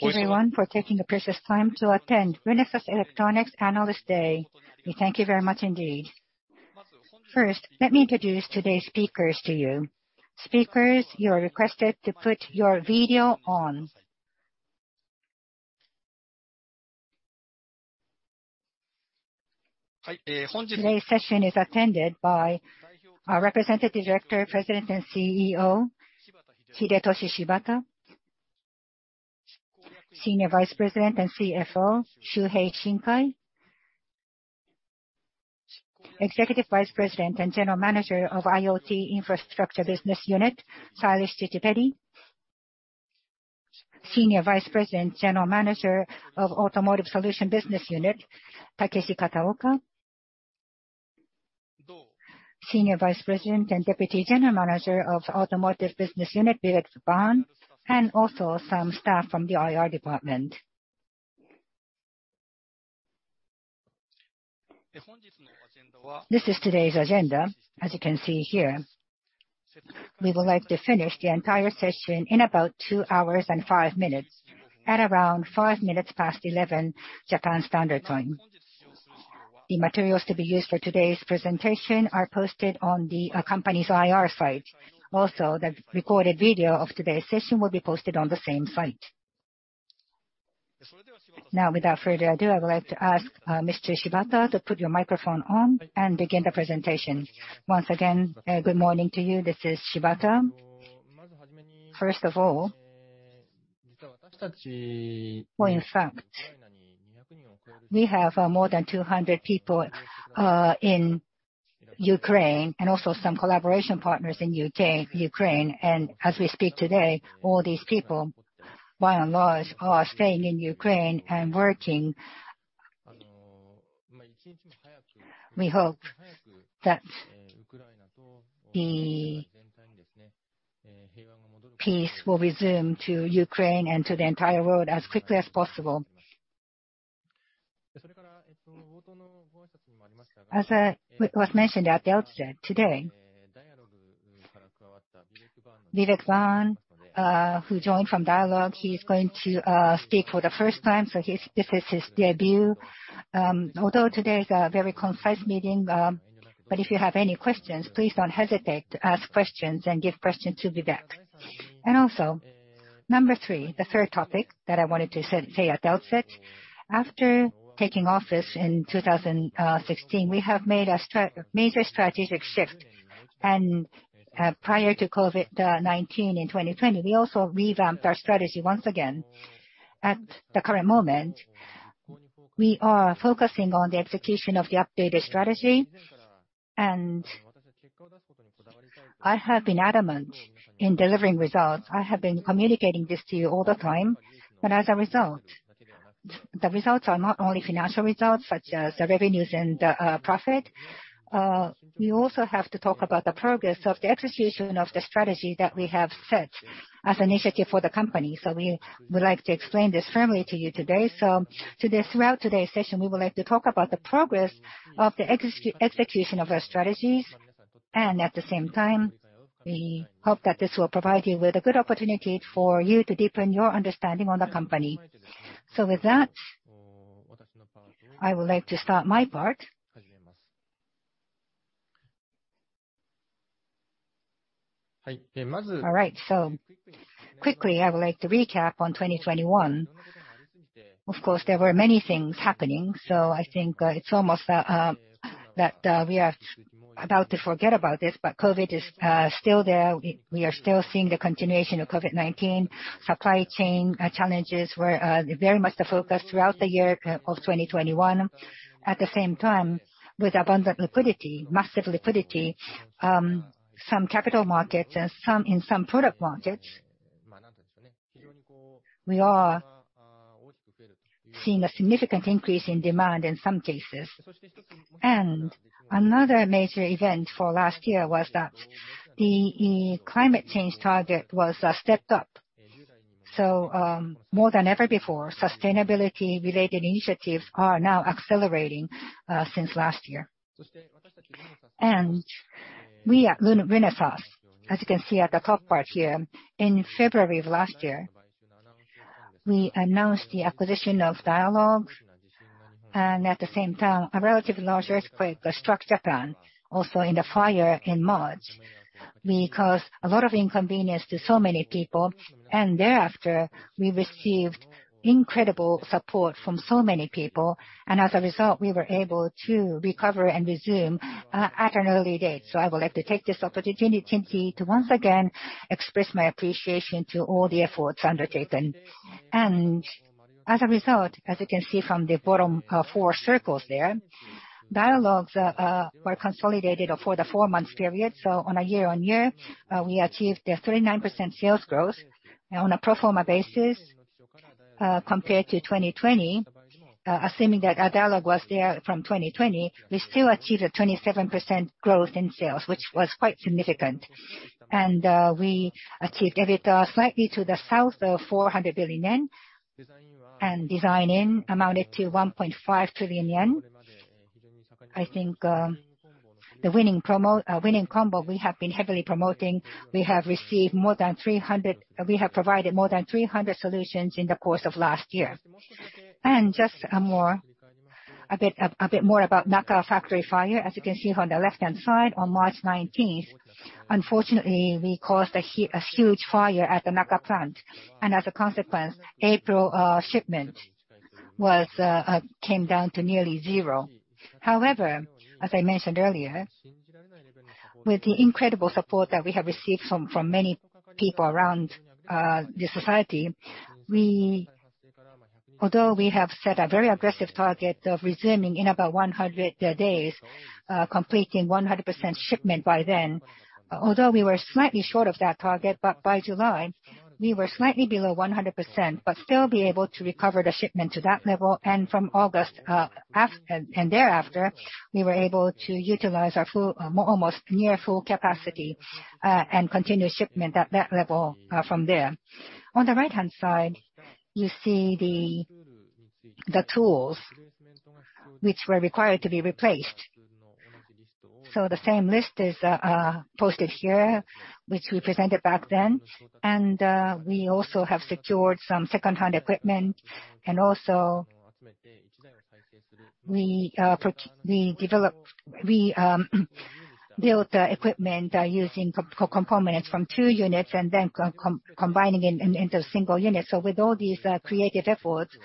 Thank you everyone for taking the precious time to attend Renesas Electronics Analyst Day. We thank you very much indeed. First, let me introduce today's speakers to you. Speakers, you are requested to put your video on. Today's session is attended by our Representative Director, President and CEO, Hidetoshi Shibata; Senior Vice President and CFO, Shuhei Shinkai; Executive Vice President and General Manager of IoT and Infrastructure Business Unit, Sailesh Chittipeddi; Senior Vice President, General Manager of Automotive Solution Business Unit, Takeshi Kataoka; Senior Vice President and Deputy General Manager of Automotive Business Unit, Vivek Bhan. Also some staff from the IR department. This is today's agenda, as you can see here. We would like to finish the entire session in about two hours and five minutes, at around 11:05, Japan Standard Time. The materials to be used for today's presentation are posted on the company's IR site. Also, the recorded video of today's session will be posted on the same site. Now, without further ado, I would like to ask Mr. Shibata to put your microphone on and begin the presentation. Once again, good morning to you. This is Shibata. First of all, well, in fact, we have more than 200 people in Ukraine, and also some collaboration partners in Ukraine. As we speak today, all these people, by and large, are staying in Ukraine and working. We hope that the peace will resume to Ukraine and to the entire world as quickly as possible. As was mentioned at the outset today, Vivek Bhan, who joined from Dialog, he's going to speak for the first time, so this is his debut. Although today is a very concise meeting, but if you have any questions, please don't hesitate to ask questions and give questions to Vivek. Also, number three, the third topic that I wanted to say at the outset, after taking office in 2016, we have made a major strategic shift. Prior to COVID-19 in 2020, we also revamped our strategy once again. At the current moment, we are focusing on the execution of the updated strategy, and I have been adamant in delivering results. I have been communicating this to you all the time, and as a result, the results are not only financial results, such as the revenues and profit. We also have to talk about the progress of the execution of the strategy that we have set as initiative for the company. We would like to explain this firmly to you today. Today, throughout today's session, we would like to talk about the progress of the execution of our strategies. At the same time, we hope that this will provide you with a good opportunity for you to deepen your understanding on the company. With that, I would like to start my part. All right. Quickly, I would like to recap on 2021. Of course, there were many things happening, so I think it's almost that we are about to forget about this, but COVID is still there. We are still seeing the continuation of COVID-19. Supply chain challenges were very much the focus throughout the year of 2021. At the same time, with abundant liquidity, massive liquidity, some capital markets and some, in some product markets, we are seeing a significant increase in demand in some cases. Another major event for last year was that the climate change target was stepped up. More than ever before, sustainability-related initiatives are now accelerating since last year. We at Renesas, as you can see at the top part here, in February of last year, we announced the acquisition of Dialog. A relatively large earthquake struck Japan, and also a fire in March. We caused a lot of inconvenience to so many people, and thereafter, we received incredible support from so many people, and as a result, we were able to recover and resume at an early date. I would like to take this opportunity to once again express my appreciation to all the efforts undertaken. As a result, as you can see from the bottom four circles there, Dialog was consolidated for the four-month period. On a year-on-year basis, we achieved a 39% sales growth on a pro forma basis compared to 2020, assuming that Dialog was there from 2020. We still achieved a 27% growth in sales, which was quite significant. We achieved EBITDA slightly to the south of 400 billion yen, and design-in amounted to 1.5 trillion yen. I think, the winning combo we have been heavily promoting, we have provided more than 300 solutions in the course of last year. Just a bit more about Naka factory fire. As you can see on the left-hand side, on March nineteenth, unfortunately, we caused a huge fire at the Naka plant. As a consequence, April shipment came down to nearly zero. However, as I mentioned earlier, with the incredible support that we have received from many people around the society, we... Although we have set a very aggressive target of resuming in about 100 days, completing 100% shipment by then, although we were slightly short of that target, but by July, we were slightly below 100%, but still be able to recover the shipment to that level. From August, thereafter, we were able to utilize our full, almost near full capacity, and continue shipment at that level, from there. On the right-hand side, you see the tools which were required to be replaced. The same list is posted here, which we presented back then. We also have secured some secondhand equipment. We developed—we built equipment using components from two units and then combining it into a single unit. With all these creative efforts,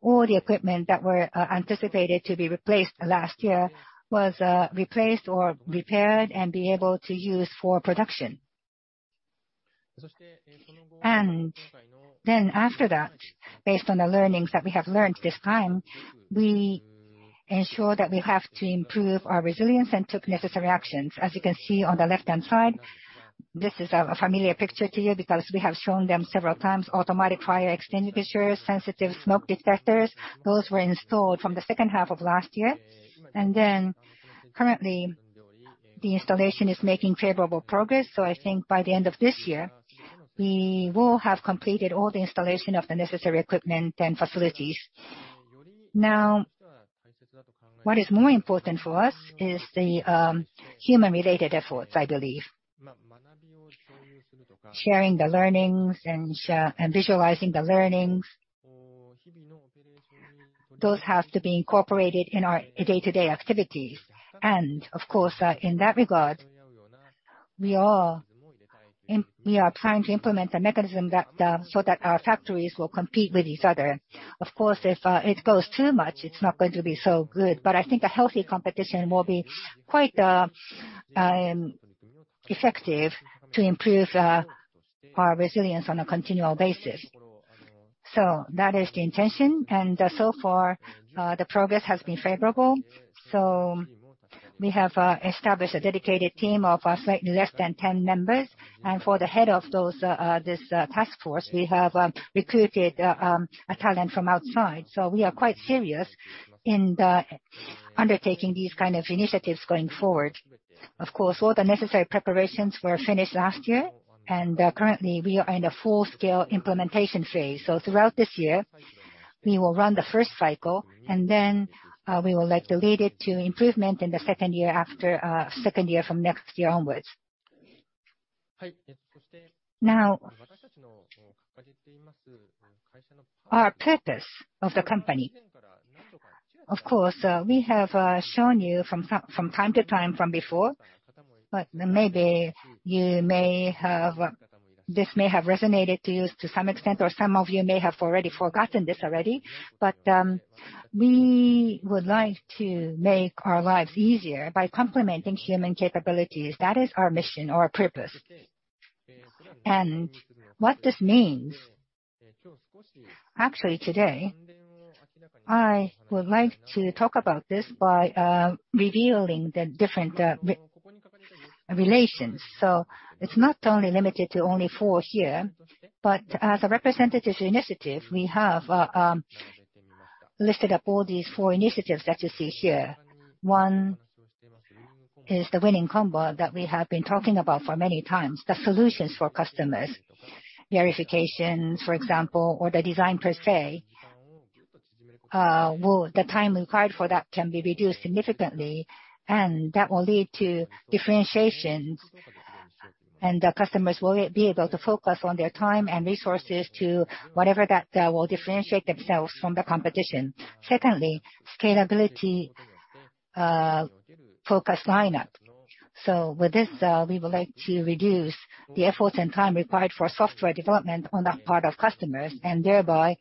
all the equipment that were anticipated to be replaced last year was replaced or repaired and be able to use for production. After that, based on the learnings that we have learned this time, we ensure that we have to improve our resilience and took necessary actions. As you can see on the left-hand side, this is a familiar picture to you because we have shown them several times. Automatic fire extinguisher, sensitive smoke detectors, those were installed from the second half of last year. Currently, the installation is making favorable progress, so I think by the end of this year, we will have completed all the installation of the necessary equipment and facilities. Now, what is more important for us is the human-related efforts, I believe. Sharing the learnings and visualizing the learnings, those have to be incorporated in our day-to-day activities. Of course, in that regard, we are trying to implement a mechanism that so that our factories will compete with each other. Of course, if it goes too much, it's not going to be so good, but I think a healthy competition will be quite effective to improve our resilience on a continual basis. That is the intention, and so far the progress has been favorable. We have established a dedicated team of slightly less than 10 members. For the head of this task force, we have recruited a talent from outside. We are quite serious in the undertaking these kind of initiatives going forward. Of course, all the necessary preparations were finished last year, and currently, we are in the full-scale implementation phase. Throughout this year, we will run the first cycle, and then we would like to lead it to improvement in the second year from next year onwards. Now, our company's purpose. Of course, we have shown you from time to time from before, but maybe you may have. This may have resonated to you to some extent, or some of you may have already forgotten this. We would like to make our lives easier by complementing human capabilities. That is our mission, our purpose. What this means, actually today, I would like to talk about this by revealing the different relations. It's not only limited to only four here, but as a representative initiative, we have listed up all these four initiatives that you see here. One is the winning combo that we have been talking about for many times, the solutions for customers. Verifications, for example, or the design per se, the time required for that can be reduced significantly, and that will lead to differentiations, and the customers will be able to focus on their time and resources to whatever that will differentiate themselves from the competition. Secondly, scalability focused lineup. With this, we would like to reduce the efforts and time required for software development on the part of customers, and thereby,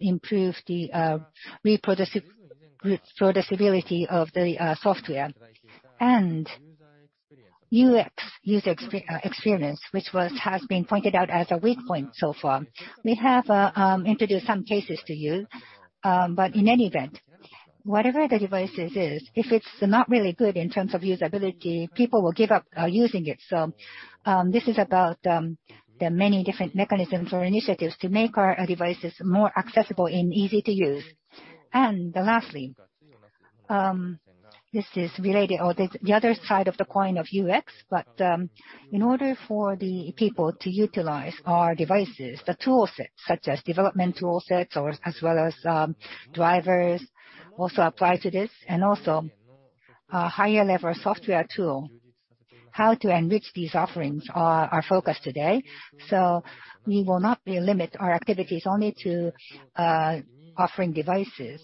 improve the reproducibility of the software. UX, user experience, which has been pointed out as a weak point so far. We have introduced some cases to you. In any event, whatever the devices is, if it's not really good in terms of usability, people will give up using it. This is about the many different mechanisms or initiatives to make our devices more accessible and easy to use. Lastly, this is related to the other side of the coin of UX, but in order for the people to utilize our devices, the tool sets such as development tool sets or as well as drivers also apply to this, and also a higher level software tool. How to enrich these offerings are our focus today. We will not limit our activities only to offering devices.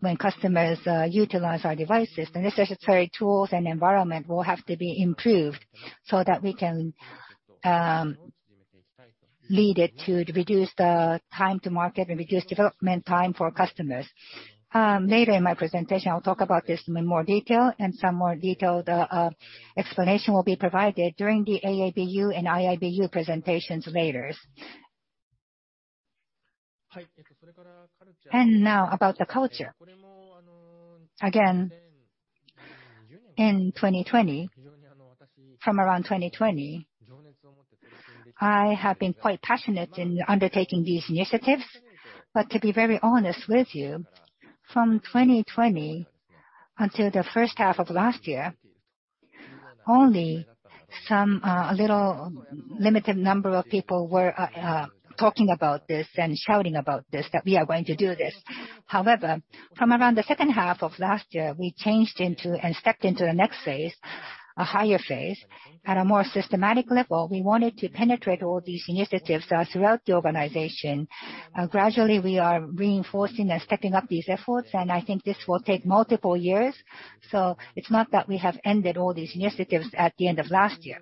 When customers utilize our devices, the necessary tools and environment will have to be improved so that we can lead it to reduce the time to market and reduce development time for customers. Later in my presentation, I'll talk about this in more detail, and some more detailed explanation will be provided during the AABU and IIBU presentations later. Now about the culture. Again, in 2020, from around 2020, I have been quite passionate in undertaking these initiatives. To be very honest with you, from 2020 until the first half of last year, only some a little limited number of people were talking about this and shouting about this, that we are going to do this. However, from around the second half of last year, we changed into and stepped into the next phase, a higher phase. At a more systematic level, we wanted to penetrate all these initiatives throughout the organization. Gradually, we are reinforcing and stepping up these efforts, and I think this will take multiple years, so it's not that we have ended all these initiatives at the end of last year.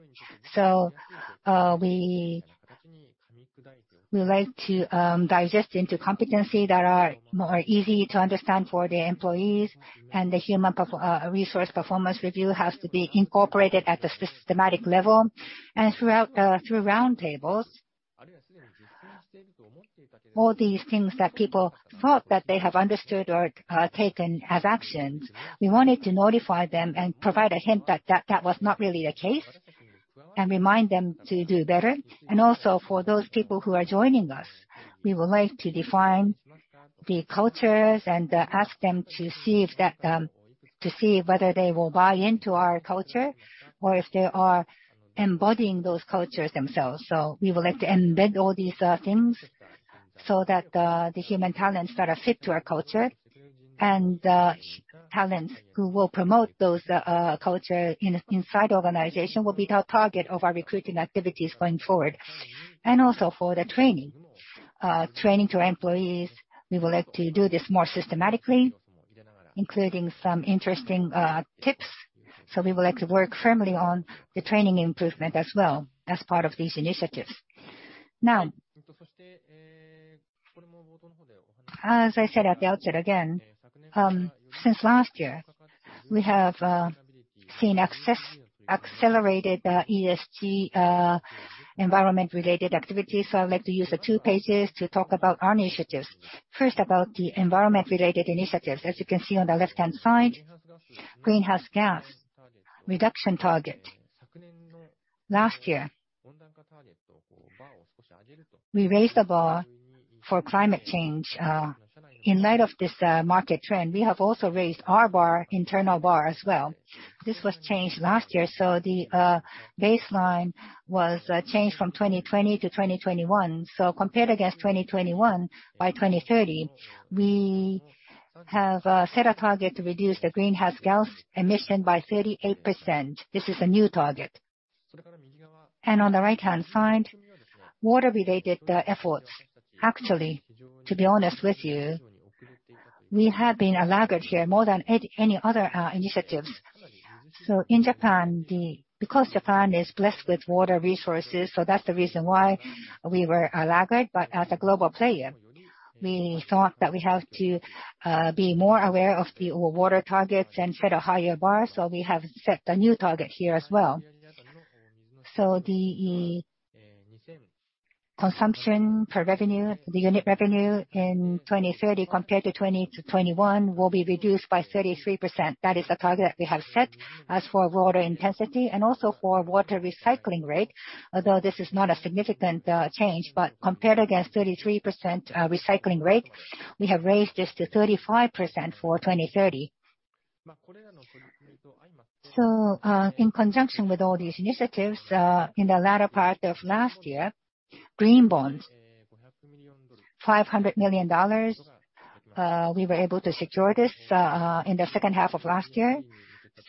We like to digest into competency that are more easy to understand for the employees, and the human resource performance review has to be incorporated at the systematic level. Throughout, through roundtables, all these things that people thought that they have understood or taken as actions, we wanted to notify them and provide a hint that that was not really the case and remind them to do better. For those people who are joining us, we would like to define the cultures and ask them to see whether they will buy into our culture or if they are embodying those cultures themselves. We would like to embed all these things so that the human talents that are fit to our culture and talents who will promote those cultures inside the organization will be the target of our recruiting activities going forward. Also for the training. Training to our employees, we would like to do this more systematically, including some interesting tips. We would like to work firmly on the training improvement as well as part of these initiatives. Now, as I said at the outset again, since last year, we have seen accelerated ESG environment-related activities. I would like to use the two pages to talk about our initiatives. First, about the environment-related initiatives. As you can see on the left-hand side, greenhouse gas reduction target. Last year, we raised the bar for climate change. In light of this market trend, we have also raised our bar, internal bar as well. This was changed last year, so the baseline was changed from 2020 to 2021. Compared against 2021, by 2030, we have set a target to reduce the greenhouse gas emission by 38%. This is a new target. On the right-hand side, water-related efforts. Actually, to be honest with you, we have been a laggard here more than any other initiatives. In Japan, because Japan is blessed with water resources, that's the reason why we were a laggard. As a global player, we thought that we have to be more aware of the water targets and set a higher bar. We have set a new target here as well. The consumption per revenue, the unit revenue in 2030 compared to 2021 will be reduced by 33%. That is the target we have set. As for water intensity and also for water recycling rate, although this is not a significant change, but compared against 33% recycling rate, we have raised this to 35% for 2030. In conjunction with all these initiatives, in the latter part of last year, green bonds, $500 million, we were able to secure this in the second half of last year.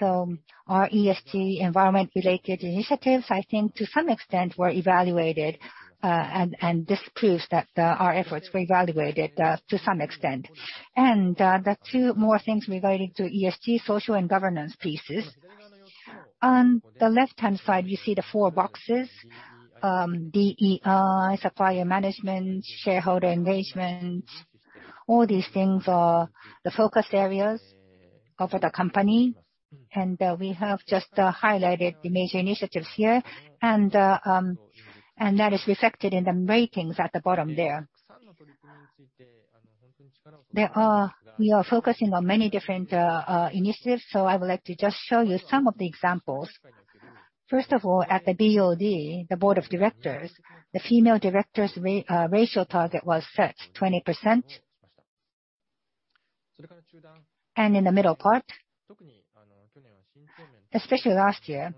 Our ESG environment-related initiatives, I think to some extent were evaluated, and this proves that our efforts were evaluated to some extent. The two more things related to ESG, social and governance pieces. On the left-hand side, you see the four boxes. DEI, supplier management, shareholder engagement, all these things are the focus areas of the company. We have just highlighted the major initiatives here. That is reflected in the ratings at the bottom there. We are focusing on many different initiatives, so I would like to just show you some of the examples. First of all, at the BOD, the board of directors, the female directors ratio target was set 20%. In the middle part, especially last year.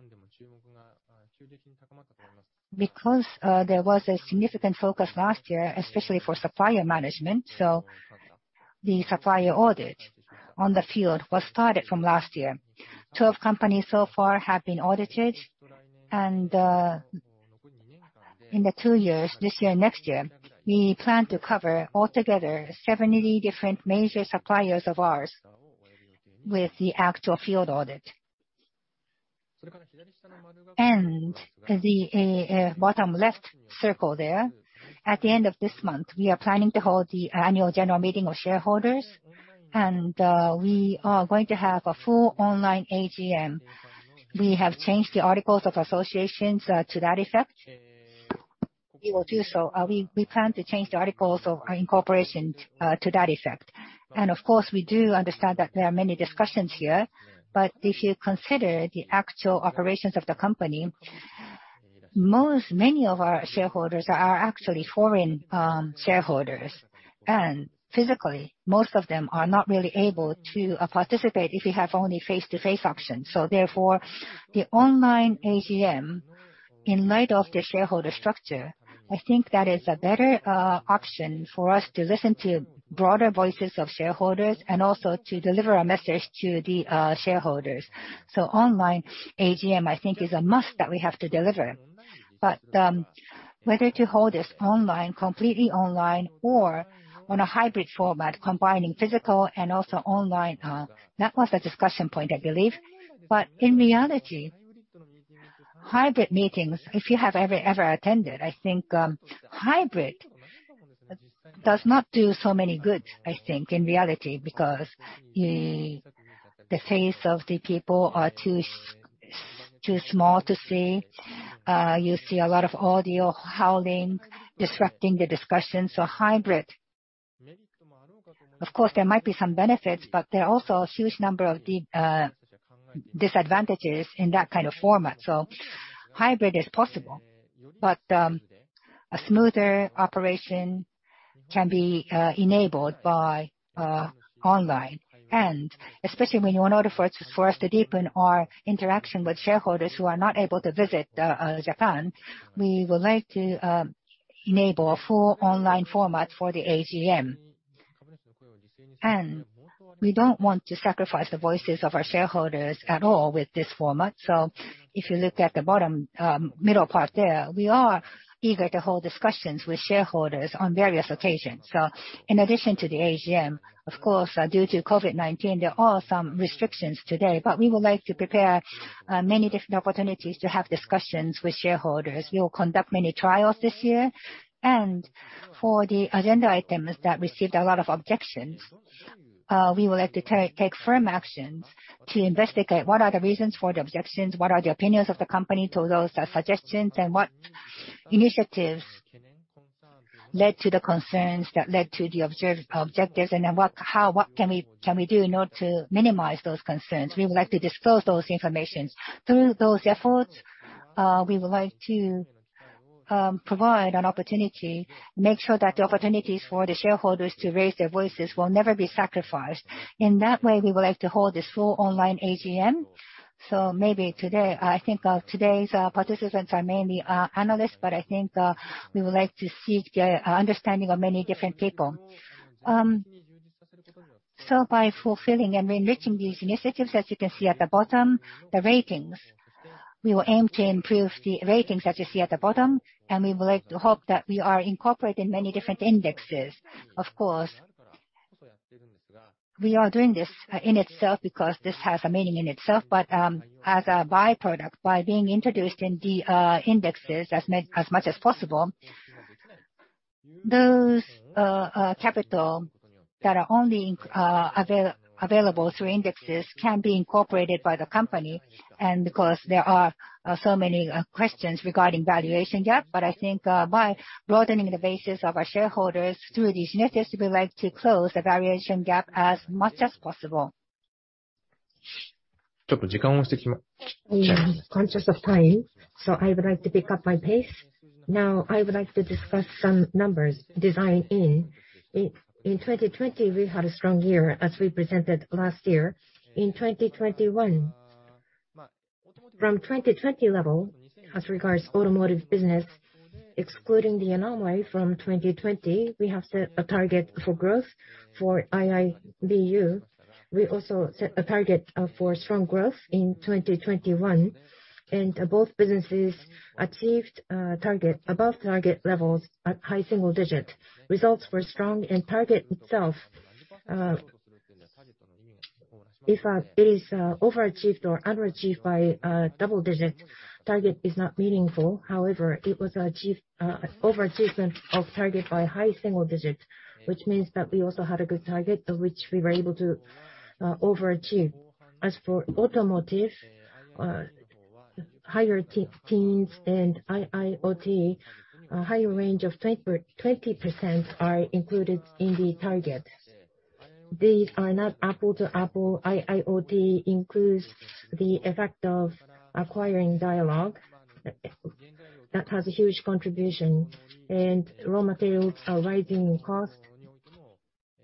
Because there was a significant focus last year, especially for supplier management, so the supplier audit on the field was started from last year. 12 companies so far have been audited, and in the two years, this year, next year, we plan to cover altogether 70 different major suppliers of ours with the actual field audit. In the bottom left circle there, at the end of this month, we are planning to hold the annual general meeting of shareholders, and we are going to have a full online AGM. We have changed the articles of association to that effect. We will do so. We plan to change the articles of incorporation to that effect. Of course, we do understand that there are many discussions here, but if you consider the actual operations of the company, many of our shareholders are actually foreign shareholders. Physically, most of them are not really able to participate if you have only face-to-face options. Therefore, the online AGM, in light of the shareholder structure, I think that is a better option for us to listen to broader voices of shareholders and also to deliver a message to the shareholders. Online AGM, I think, is a must that we have to deliver. Whether to hold this online, completely online, or on a hybrid format combining physical and also online, that was a discussion point, I believe. In reality, hybrid meetings, if you have ever attended, I think, hybrid does not do so much good, I think, in reality, because the face of the people are too small to see. You see a lot of audio howling, disrupting the discussion. Hybrid, of course, there might be some benefits, but there are also a huge number of disadvantages in that kind of format. Hybrid is possible, but a smoother operation can be enabled by online. Especially in order for us to deepen our interaction with shareholders who are not able to visit Japan, we would like to enable a full online format for the AGM. We don't want to sacrifice the voices of our shareholders at all with this format. If you look at the bottom, middle part there, we are eager to hold discussions with shareholders on various occasions. In addition to the AGM, of course, due to COVID-19, there are some restrictions today, but we would like to prepare many different opportunities to have discussions with shareholders. We will conduct many trials this year. For the agenda items that received a lot of objections, we would like to take firm actions to investigate what are the reasons for the objections, what are the opinions of the company to those suggestions, and what initiatives led to the concerns that led to the objections, and then what can we do in order to minimize those concerns. We would like to disclose that information. Through those efforts, we would like to provide an opportunity, make sure that the opportunities for the shareholders to raise their voices will never be sacrificed. In that way, we would like to hold this full online AGM. Maybe today, I think, today's participants are mainly analysts, but I think we would like to seek understanding of many different people. By fulfilling and enriching these initiatives, as you can see at the bottom, the ratings. We will aim to improve the ratings that you see at the bottom, and we would like to hope that we are incorporating many different indexes. Of course, we are doing this in itself because this has a meaning in itself. As a by-product, by being introduced in the indexes as much as possible, those capital that are only available through indexes can be incorporated by the company. Because there are so many questions regarding valuation gap, but I think by broadening the basis of our shareholders through these initiatives, we would like to close the valuation gap as much as possible. I am conscious of time, so I would like to pick up my pace. Now, I would like to discuss some design-in numbers. In 2020, we had a strong year, as we presented last year. In 2021, from 2020 level, as regards automotive business, excluding the anomaly from 2020, we have set a target for growth for IIBU. We also set a target for strong growth in 2021, and both businesses achieved target above target levels at high single digit. Results were strong, and target itself, if it is overachieved or underachieved by double digit, target is not meaningful. However, it was achieved overachievement of target by high single digit, which means that we also had a good target of which we were able to overachieve. As for automotive, higher teens and IoT, a higher range of 20% are included in the target. These are not apples to apples. IoT includes the effect of acquiring Dialog that has a huge contribution. Raw materials are rising in cost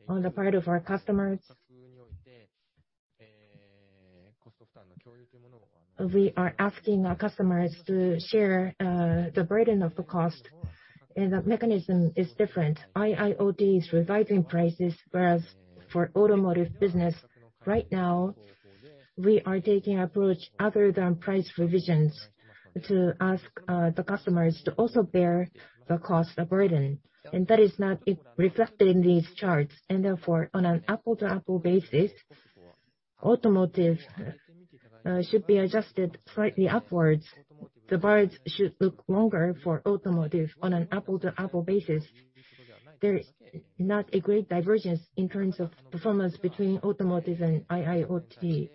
on the part of our customers. We are asking our customers to share the burden of the cost, and the mechanism is different. IIBU is revising prices, whereas for automotive business, right now, we are taking approach other than price revisions to ask the customers to also bear the cost, the burden. That is not reflected in these charts, and therefore, on an apples-to-apples basis, automotive should be adjusted slightly upwards. The bars should look longer for automotive on an apples-to-apples basis. There is not a great divergence in terms of performance between automotive and IIBU.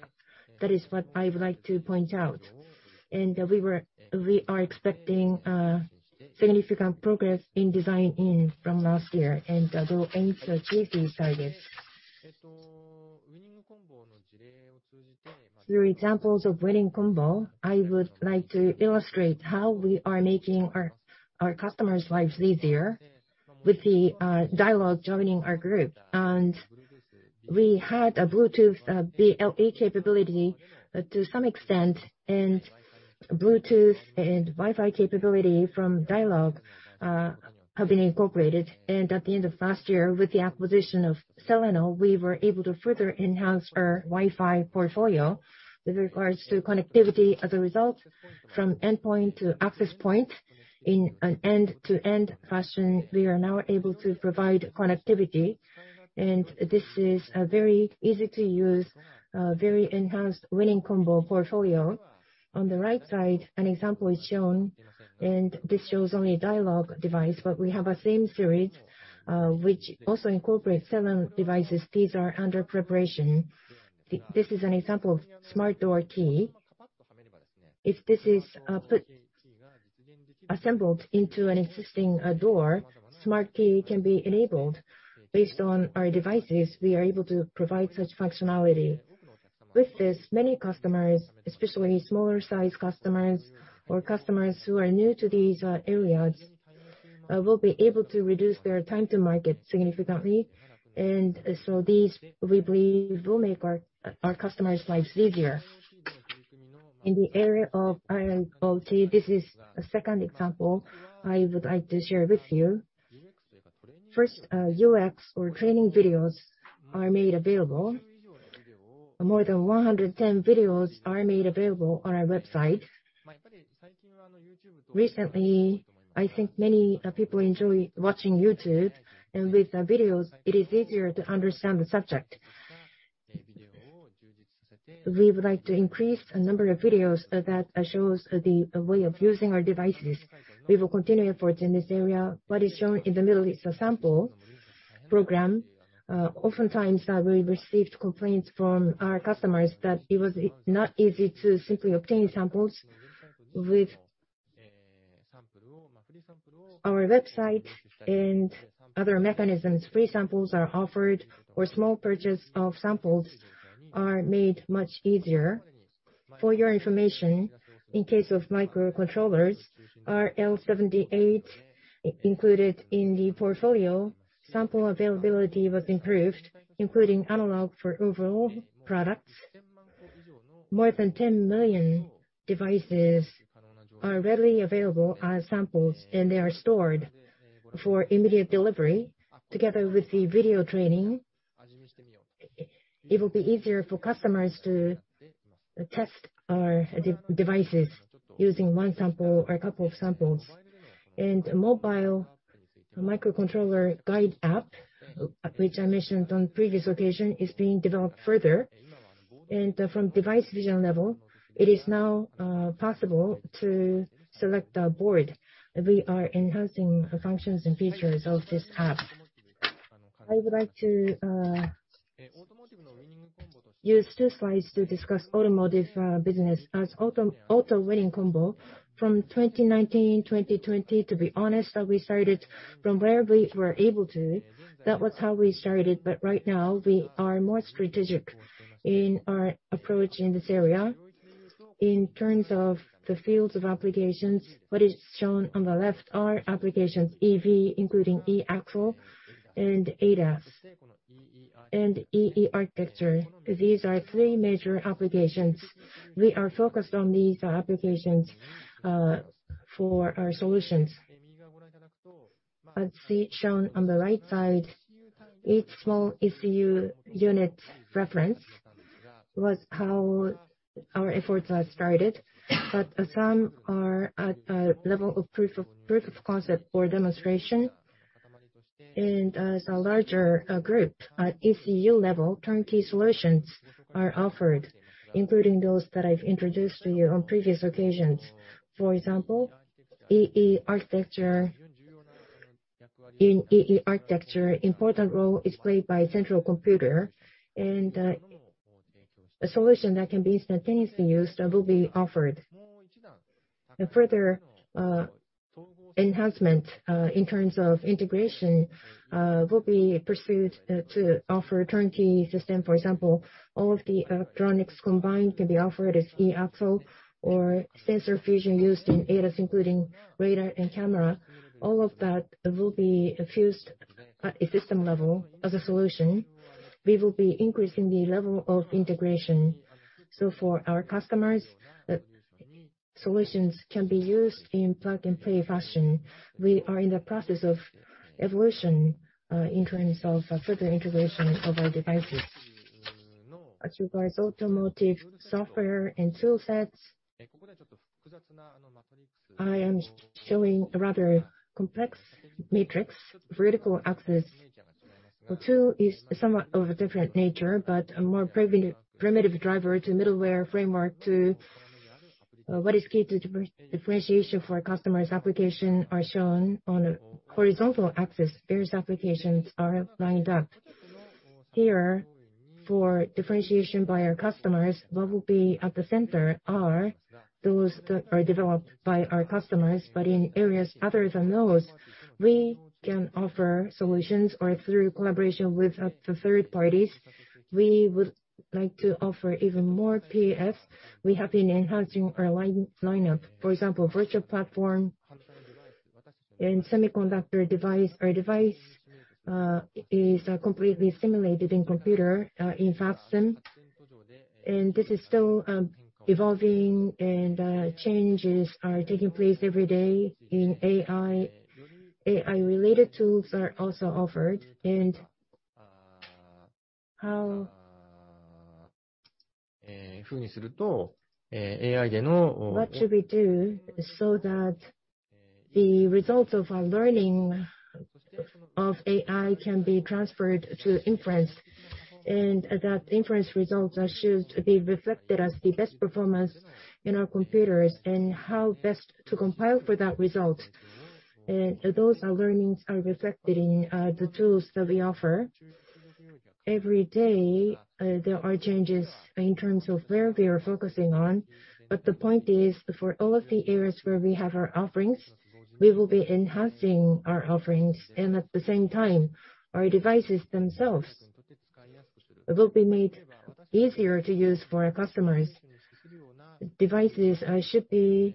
That is what I would like to point out. We are expecting significant progress in design-in from last year, and will aim to achieve these targets. Through examples of winning combo, I would like to illustrate how we are making our customers' lives easier with the Dialog joining our group. We had a Bluetooth BLE capability to some extent, and Bluetooth and Wi-Fi capability from Dialog have been incorporated. At the end of last year, with the acquisition of Celeno, we were able to further enhance our Wi-Fi portfolio with regards to connectivity as a result from endpoint to access point. In an end-to-end fashion, we are now able to provide connectivity. This is a very easy-to-use very enhanced winning combo portfolio. On the right side, an example is shown, and this shows only a Dialog device, but we have a same series which also incorporates Celeno devices. These are under preparation. This is an example of smart door key. If this is assembled into an existing door, smart key can be enabled. Based on our devices, we are able to provide such functionality. With this, many customers, especially smaller-sized customers or customers who are new to these areas, will be able to reduce their time to market significantly. These, we believe, will make our customers' lives easier. In the area of IoT, this is a second example I would like to share with you. First, UX or training videos are made available. More than 110 videos are made available on our website. Recently, I think many people enjoy watching YouTube, and with videos, it is easier to understand the subject. We would like to increase a number of videos that shows the way of using our devices. We will continue efforts in this area. What is shown in the middle is a sample program. Oftentimes we received complaints from our customers that it was not easy to simply obtain samples. With our website and other mechanisms, free samples are offered, or small purchase of samples are made much easier. For your information, in case of microcontrollers, our RL78 included in the portfolio, sample availability was improved, including analog for overall products. More than 10 million devices are readily available as samples, and they are stored for immediate delivery together with the video training. It will be easier for customers to test our devices using one sample or a couple of samples. Mobile microcontroller guide app, which I mentioned on previous occasion, is being developed further. From device selection level, it is now possible to select a board. We are enhancing the functions and features of this app. I would like to use two slides to discuss automotive business, our auto Winning Combinations from 2019 to 2020. To be honest, we started from wherever we were able to. That was how we started, but right now, we are more strategic in our approach in this area. In terms of the fields of applications, what is shown on the left are applications, EV, including e-axle and ADAS and E/E architecture. These are three major applications. We are focused on these applications for our solutions. As shown on the right side, each small ECU unit reference was how our efforts have started. Some are at a level of proof of concept or demonstration. As a larger group, at ECU level, turnkey solutions are offered, including those that I've introduced to you on previous occasions. For example, E/E architecture. In E/E architecture, important role is played by central computer, and a solution that can be instantaneously used will be offered. A further enhancement in terms of integration will be pursued to offer a turnkey system. For example, all of the electronics combined can be offered as e-axle or sensor fusion used in ADAS, including radar and camera. All of that will be fused at a system level as a solution. We will be increasing the level of integration. For our customers, solutions can be used in plug-and-play fashion. We are in the process of evolution in terms of further integration of our devices. As regards automotive software and tool sets, I am showing a rather complex matrix. Vertical axis, the tool is somewhat of a different nature, but a more primitive driver to middleware framework to what is key to differentiation for a customer's application are shown. On a horizontal axis, various applications are lined up. Here, for differentiation by our customers, what will be at the center are those that are developed by our customers. In areas other than those, we can offer solutions, or through collaboration with the third parties, we would like to offer even more PAS. We have been enhancing our lineup. For example, virtual platform and semiconductor device. Our device is completely simulated in computer in facsimile. This is still evolving and changes are taking place every day in AI. AI-related tools are also offered, and how... What should we do so that the results of our learning of AI can be transferred to inference, and that inference results should be reflected as the best performance in our computers, and how best to compile for that result. Those learnings are reflected in the tools that we offer. Every day, there are changes in terms of where we are focusing on. But the point is, for all of the areas where we have our offerings, we will be enhancing our offerings. And at the same time, our devices themselves will be made easier to use for our customers. Devices should be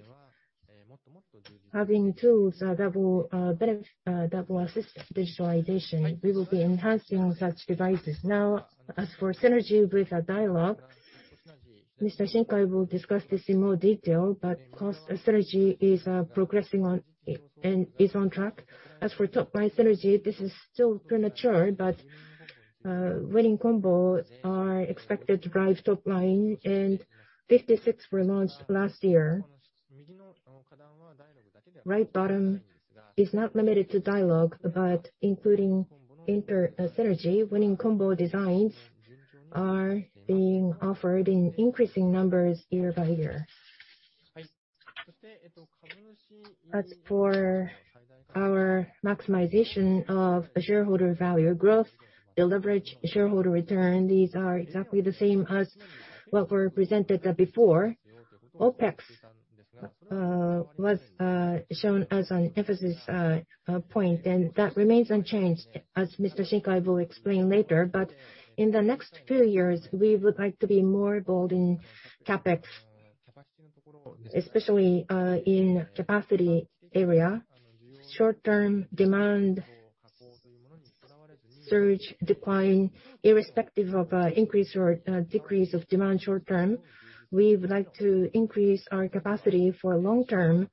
having tools that will assist digitalization. We will be enhancing such devices. Now, as for synergy with Dialog, Mr. Shinkai will discuss this in more detail, but cost synergy is progressing, and is on track. As for top-line synergy, this is still premature, but winning combinations are expected to drive top line, and 56 were launched last year. Bottom line is not limited to Dialog, but including Intersil synergy, winning combinations designs are being offered in increasing numbers year by year. As for our maximization of shareholder value growth, deleverage, shareholder return, these are exactly the same as what were presented before. OpEx was shown as an emphasis point, and that remains unchanged, as Mr. Shinkai will explain later. In the next few years, we would like to be more bold in CapEx, especially in capacity area. Short-term demand surge or decline, irrespective of increase or decrease of demand short-term, we would like to increase our capacity for long term.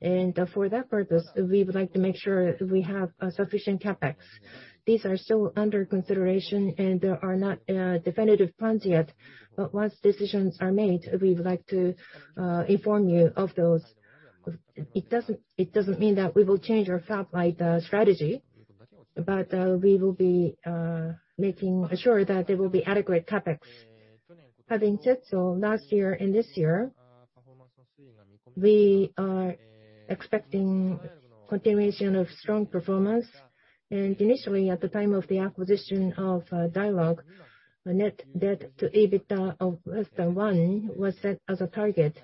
For that purpose, we would like to make sure we have sufficient CapEx. These are still under consideration, and there are not definitive plans yet. Once decisions are made, we would like to inform you of those. It doesn't mean that we will change our fab-lite strategy, but we will be making sure that there will be adequate CapEx. Having said so, last year and this year, we are expecting continuation of strong performance. Initially, at the time of the acquisition of Dialog, a net debt to EBITDA of less than one was set as a target.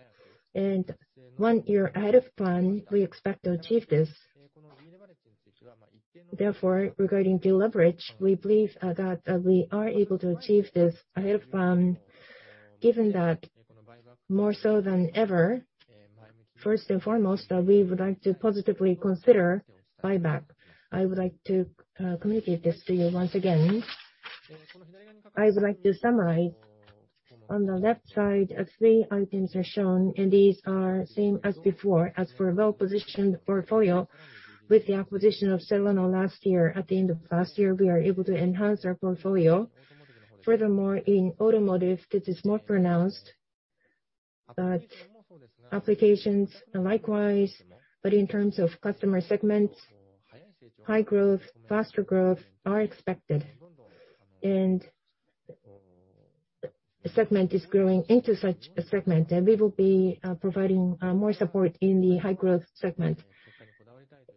One year ahead of plan, we expect to achieve this. Therefore, regarding deleverage, we believe that we are able to achieve this ahead of plan, given that more so than ever, first and foremost, we would like to positively consider buyback. I would like to communicate this to you once again. I would like to summarize. On the left side, three items are shown, and these are same as before. As for well-positioned portfolio, with the acquisition of Celeno last year, at the end of last year, we are able to enhance our portfolio. Furthermore, in automotive, this is more pronounced. But applications are likewise. But in terms of customer segments, high growth, faster growth are expected. The segment is growing into such a segment, and we will be providing more support in the high growth segment.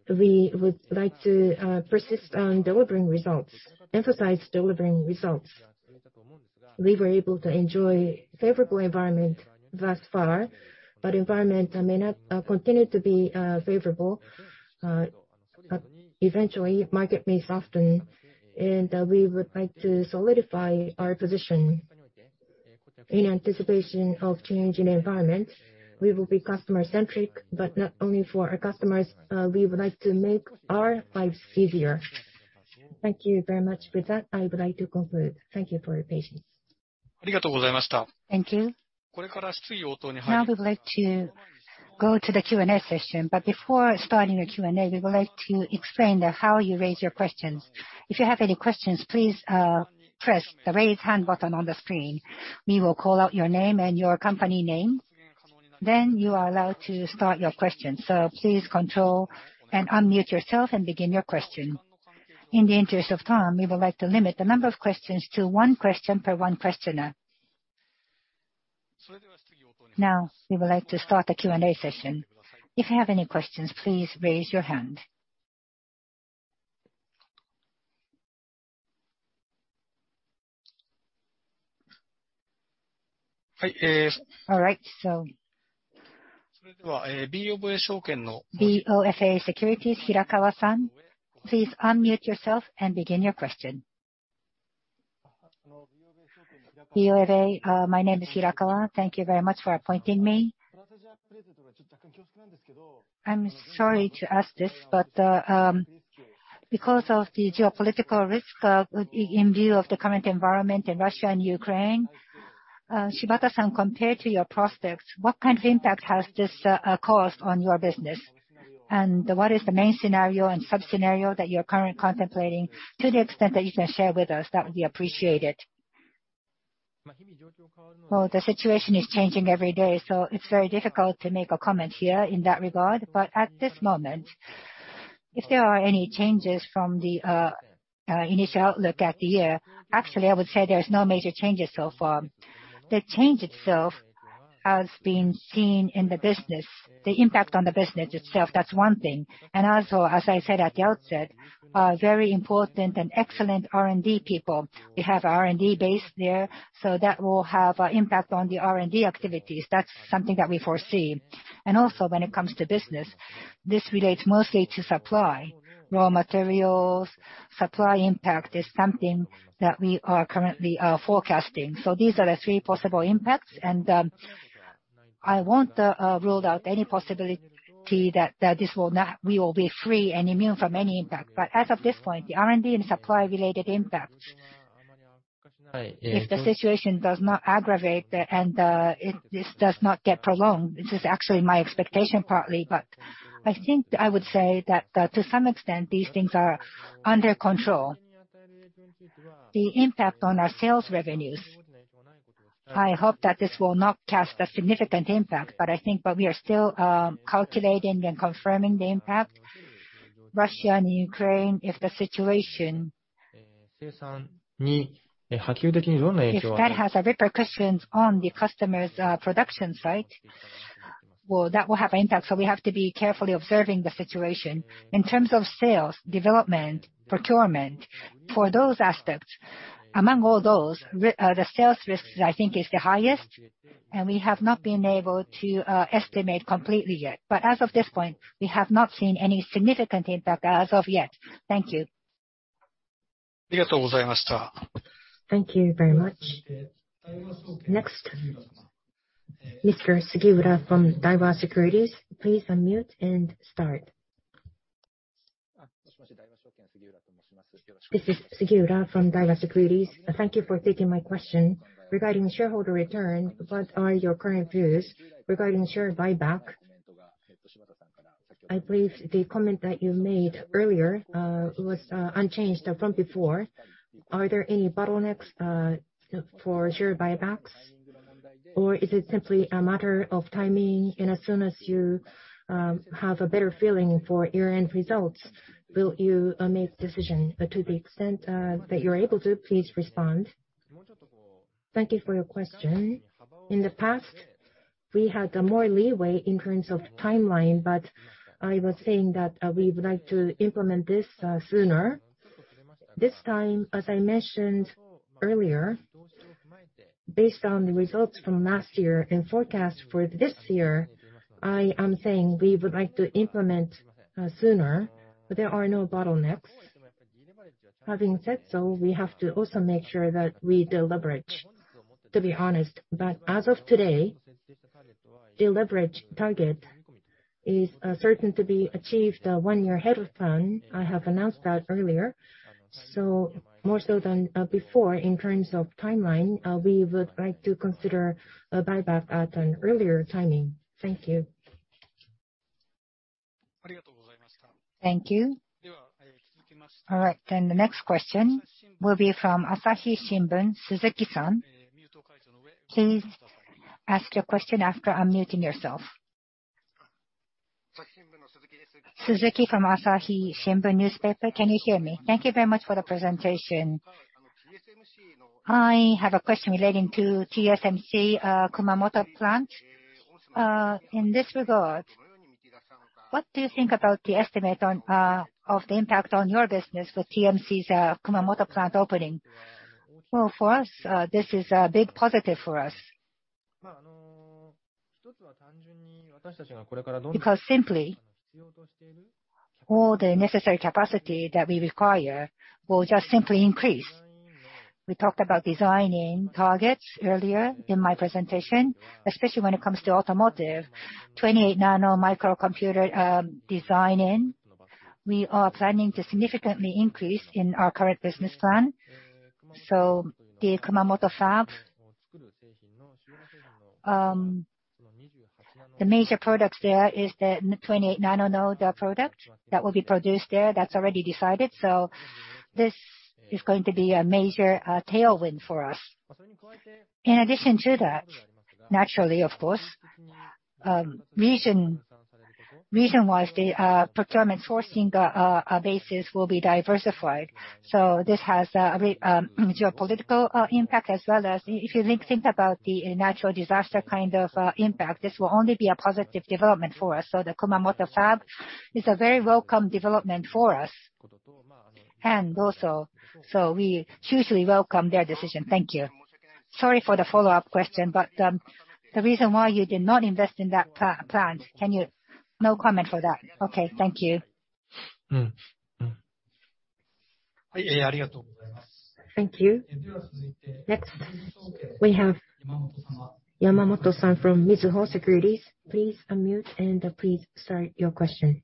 We would like to persist on delivering results, emphasize delivering results. We were able to enjoy favorable environment thus far, but environment may not continue to be favorable. Eventually market may soften, and we would like to solidify our position in anticipation of change in environment. We will be customer-centric, but not only for our customers, we would like to make our lives easier. Thank you very much for that. I would like to conclude. Thank you for your patience. Thank you. Now we would like to go to the Q&A session. Before starting the Q&A, we would like to explain how you raise your questions. If you have any questions, please, press the Raise Hand button on the screen. We will call out your name and your company name, then you are allowed to start your question. Please control and unmute yourself, and begin your question. In the interest of time, we would like to limit the number of questions to one question per one questioner. Now, we would like to start the Q&A session. If you have any questions, please raise your hand. All right. BofA Securities, Hirakawa-san, please unmute yourself and begin your question. BofA, my name is Hirakawa. Thank you very much for appointing me. I'm sorry to ask this but, because of the geopolitical risk, in view of the current environment in Russia and Ukraine, Shibata-san, compared to your prospects, what kind of impact has this caused on your business? And what is the main scenario and sub-scenario that you're currently contemplating? To the extent that you can share with us, that would be appreciated. Well, the situation is changing every day, so it's very difficult to make a comment here in that regard. At this moment, if there are any changes from the initial outlook at the year, actually I would say there's no major changes so far. The change itself has been seen in the business. The impact on the business itself, that's one thing. As I said at the outset, very important and excellent R&D people. We have R&D base there, so that will have an impact on the R&D activities. That's something that we foresee. When it comes to business, this relates mostly to supply. Raw materials, supply impact is something that we are currently forecasting. These are the three possible impacts, and I won't rule out any possibility that we will be free and immune from any impact. But as of this point, the R&D and supply related impact, if the situation does not aggravate and it does not get prolonged, this is actually my expectation partly, but I think I would say that to some extent these things are under control. The impact on our sales revenues. I hope that this will not cast a significant impact, but I think we are still calculating and confirming the impact. Russia and Ukraine, if the situation, if that has repercussions on the customer's productions, right, well, that will have impact, so we have to be carefully observing the situation. In terms of sales, development, procurement, for those aspects, among all those, the sales risks I think is the highest, and we have not been able to estimate completely yet. As of this point, we have not seen any significant impact as of yet. Thank you. Thank you very much. Next, Mr. Sugiura from Daiwa Securities, please unmute and start. This is Sugiura from Daiwa Securities. Thank you for taking my question. Regarding shareholder return, what are your current views regarding share buyback? I believe the comment that you made earlier was unchanged from before. Are there any bottlenecks for share buybacks or is it simply a matter of timing, and as soon as you have a better feeling for year-end results will you make decision? To the extent that you are able to, please respond. Thank you for your question. In the past, we had more leeway in terms of timeline, but I was saying that we would like to implement this sooner. This time, as I mentioned earlier, based on the results from last year and forecast for this year, I am saying we would like to implement sooner, but there are no bottlenecks. Having said so, we have to also make sure that we deleverage, to be honest. As of today, deleverage target is certain to be achieved one year ahead of plan. I have announced that earlier. More so than before in terms of timeline, we would like to consider a buyback at an earlier timing. Thank you. Thank you. All right, then the next question will be from Asahi Shimbun, Suzuki-san. Please ask your question after unmuting yourself. Suzuki from Asahi Shimbun, can you hear me? Thank you very much for the presentation. I have a question relating to TSMC, Kumamoto plant. In this regard, what do you think about the estimate on, of the impact on your business with TSMC's, Kumamoto plant opening? Well, for us, this is a big positive for us. Because simply, all the necessary capacity that we require will just simply increase. We talked about designing targets earlier in my presentation, especially when it comes to automotive. 28 nm microcomputer designing, we are planning to significantly increase in our current business plan. The Kumamoto fab, the major products there is the 28 nm node product that will be produced there. That's already decided. This is going to be a major tailwind for us. In addition to that, naturally, of course, region-wise, the procurement sourcing basis will be diversified. This has a geopolitical impact as well as if you think about the natural disaster kind of impact, this will only be a positive development for us. The Kumamoto fab is a very welcome development for us. We hugely welcome their decision. Thank you. Sorry for the follow-up question, but the reason why you did not invest in that plant, can you. No comment for that. Okay, thank you. Thank you. Next we have Yamamoto-san from Mizuho Securities. Please unmute and please start your question.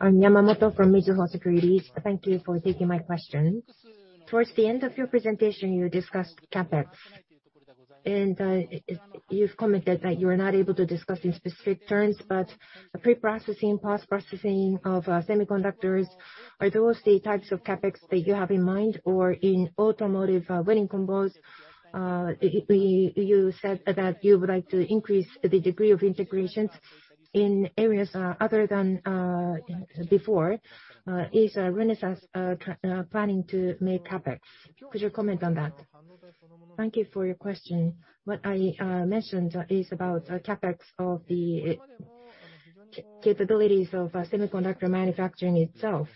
I'm Yamamoto from Mizuho Securities. Thank you for taking my question. Towards the end of your presentation, you discussed CapEx, and you've commented that you are not able to discuss in specific terms, but pre-processing, post-processing of semiconductors, are those the types of CapEx that you have in mind? Or in automotive, winning combos, you said that you would like to increase the degree of integrations in areas other than before. Is Renesas planning to make CapEx? Could you comment on that? Thank you for your question. What I mentioned is about CapEx of the capabilities of semiconductor manufacturing itself.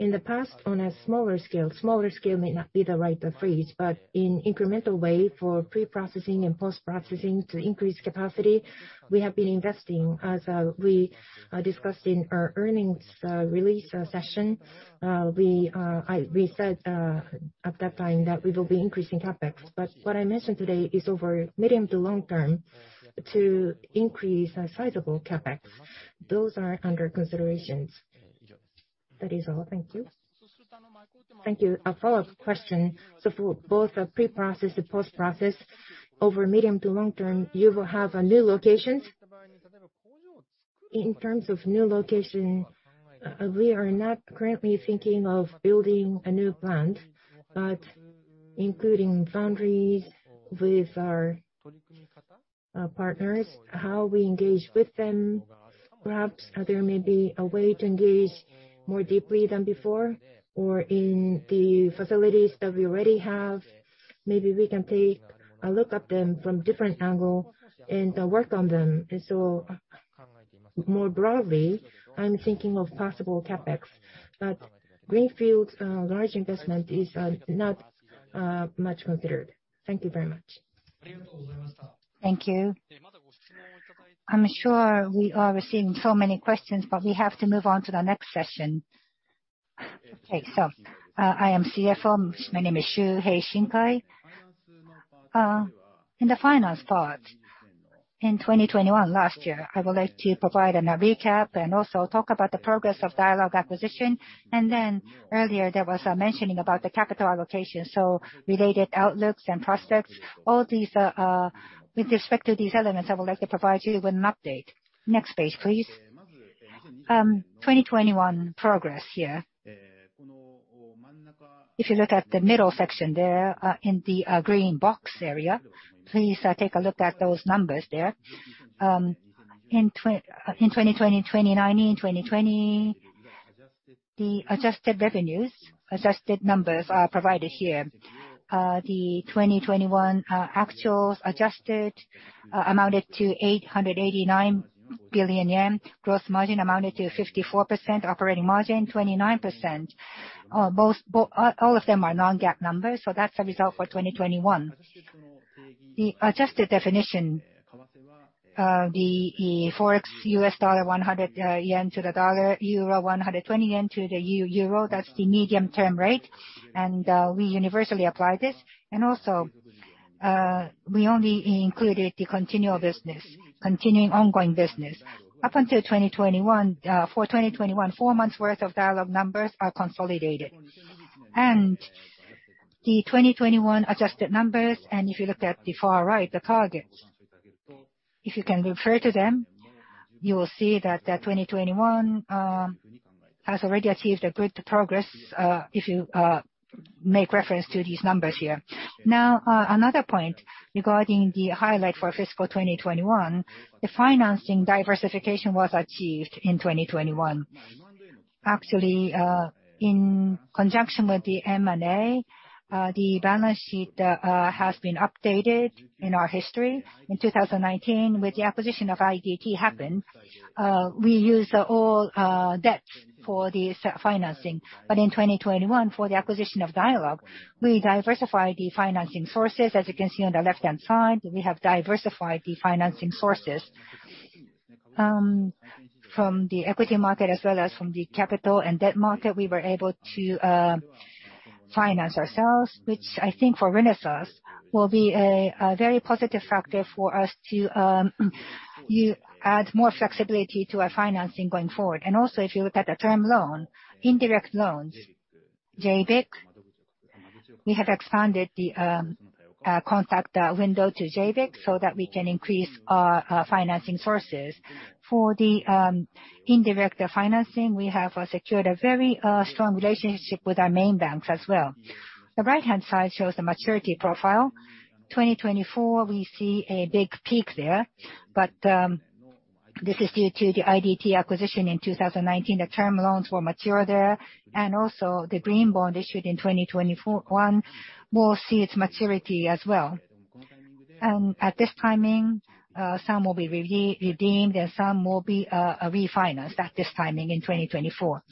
In the past, on a smaller scale, smaller scale may not be the right phrase, but in incremental way for pre-processing and post-processing to increase capacity, we have been investing. As we discussed in our earnings release session, we said at that time that we will be increasing CapEx. What I mentioned today is over medium to long term to increase a sizable CapEx. Those are under considerations. That is all. Thank you. For both the pre-process and post-process, over medium to long term, you will have new locations? In terms of new location, we are not currently thinking of building a new plant, but including foundry with our partners, how we engage with them, perhaps there may be a way to engage more deeply than before. In the facilities that we already have, maybe we can take a look at them from different angle and work on them. More broadly, I'm thinking of possible CapEx. Greenfield large investment is not much considered. Thank you very much. Thank you. I'm sure we are receiving so many questions, but we have to move on to the next session. Okay, I am CFO. My name is Shuhei Shinkai. In the finance part, in 2021 last year, I would like to provide an recap and also talk about the progress of Dialog acquisition. Earlier, there was a mentioning about the capital allocation, so related outlooks and prospects. All these, with respect to these elements, I would like to provide you with an update. Next page, please. 2021 progress year. If you look at the middle section there, in the green box area, please, take a look at those numbers there. In 2020, in 2019, in 2020, the adjusted revenues, adjusted numbers are provided here. The 2021 actuals adjusted amounted to 889 billion yen. Gross margin amounted to 54%. Operating margin, 29%. All of them are non-GAAP numbers, so that's the result for 2021. The adjusted definition, the Forex US dollar, 100 yen to the dollar, euro 120 yen to the euro, that's the medium term rate, and we universally apply this. Also, we only included the continual business, continuing ongoing business. Up until 2021, for 2021, four months worth of Dialog numbers are consolidated. The 2021 adjusted numbers, and if you look at the far right, the targets, if you can refer to them, you will see that 2021 has already achieved good progress if you make reference to these numbers here. Now, another point regarding the highlight for fiscal 2021, the financing diversification was achieved in 2021. Actually, in conjunction with the M&A, the balance sheet has been updated in our history. In 2019, when the acquisition of IDT happened, we used all debt for the financing. In 2021, for the acquisition of Dialog, we diversified the financing sources. As you can see on the left-hand side, we have diversified the financing sources. From the equity market as well as from the capital and debt market, we were able to finance ourselves, which I think for Renesas will be a very positive factor for us to add more flexibility to our financing going forward. Also, if you look at the term loan, indirect loans, JBIC, we have expanded the contact window to JBIC so that we can increase our financing sources. For the indirect financing, we have secured a very strong relationship with our main banks as well. The right-hand side shows the maturity profile. 2024, we see a big peak there, but this is due to the IDT acquisition in 2019. The term loans will mature there, and also the green bond issued in 2021 will see its maturity as well. At this timing, some will be redeemed and some will be refinanced at this timing in 2024.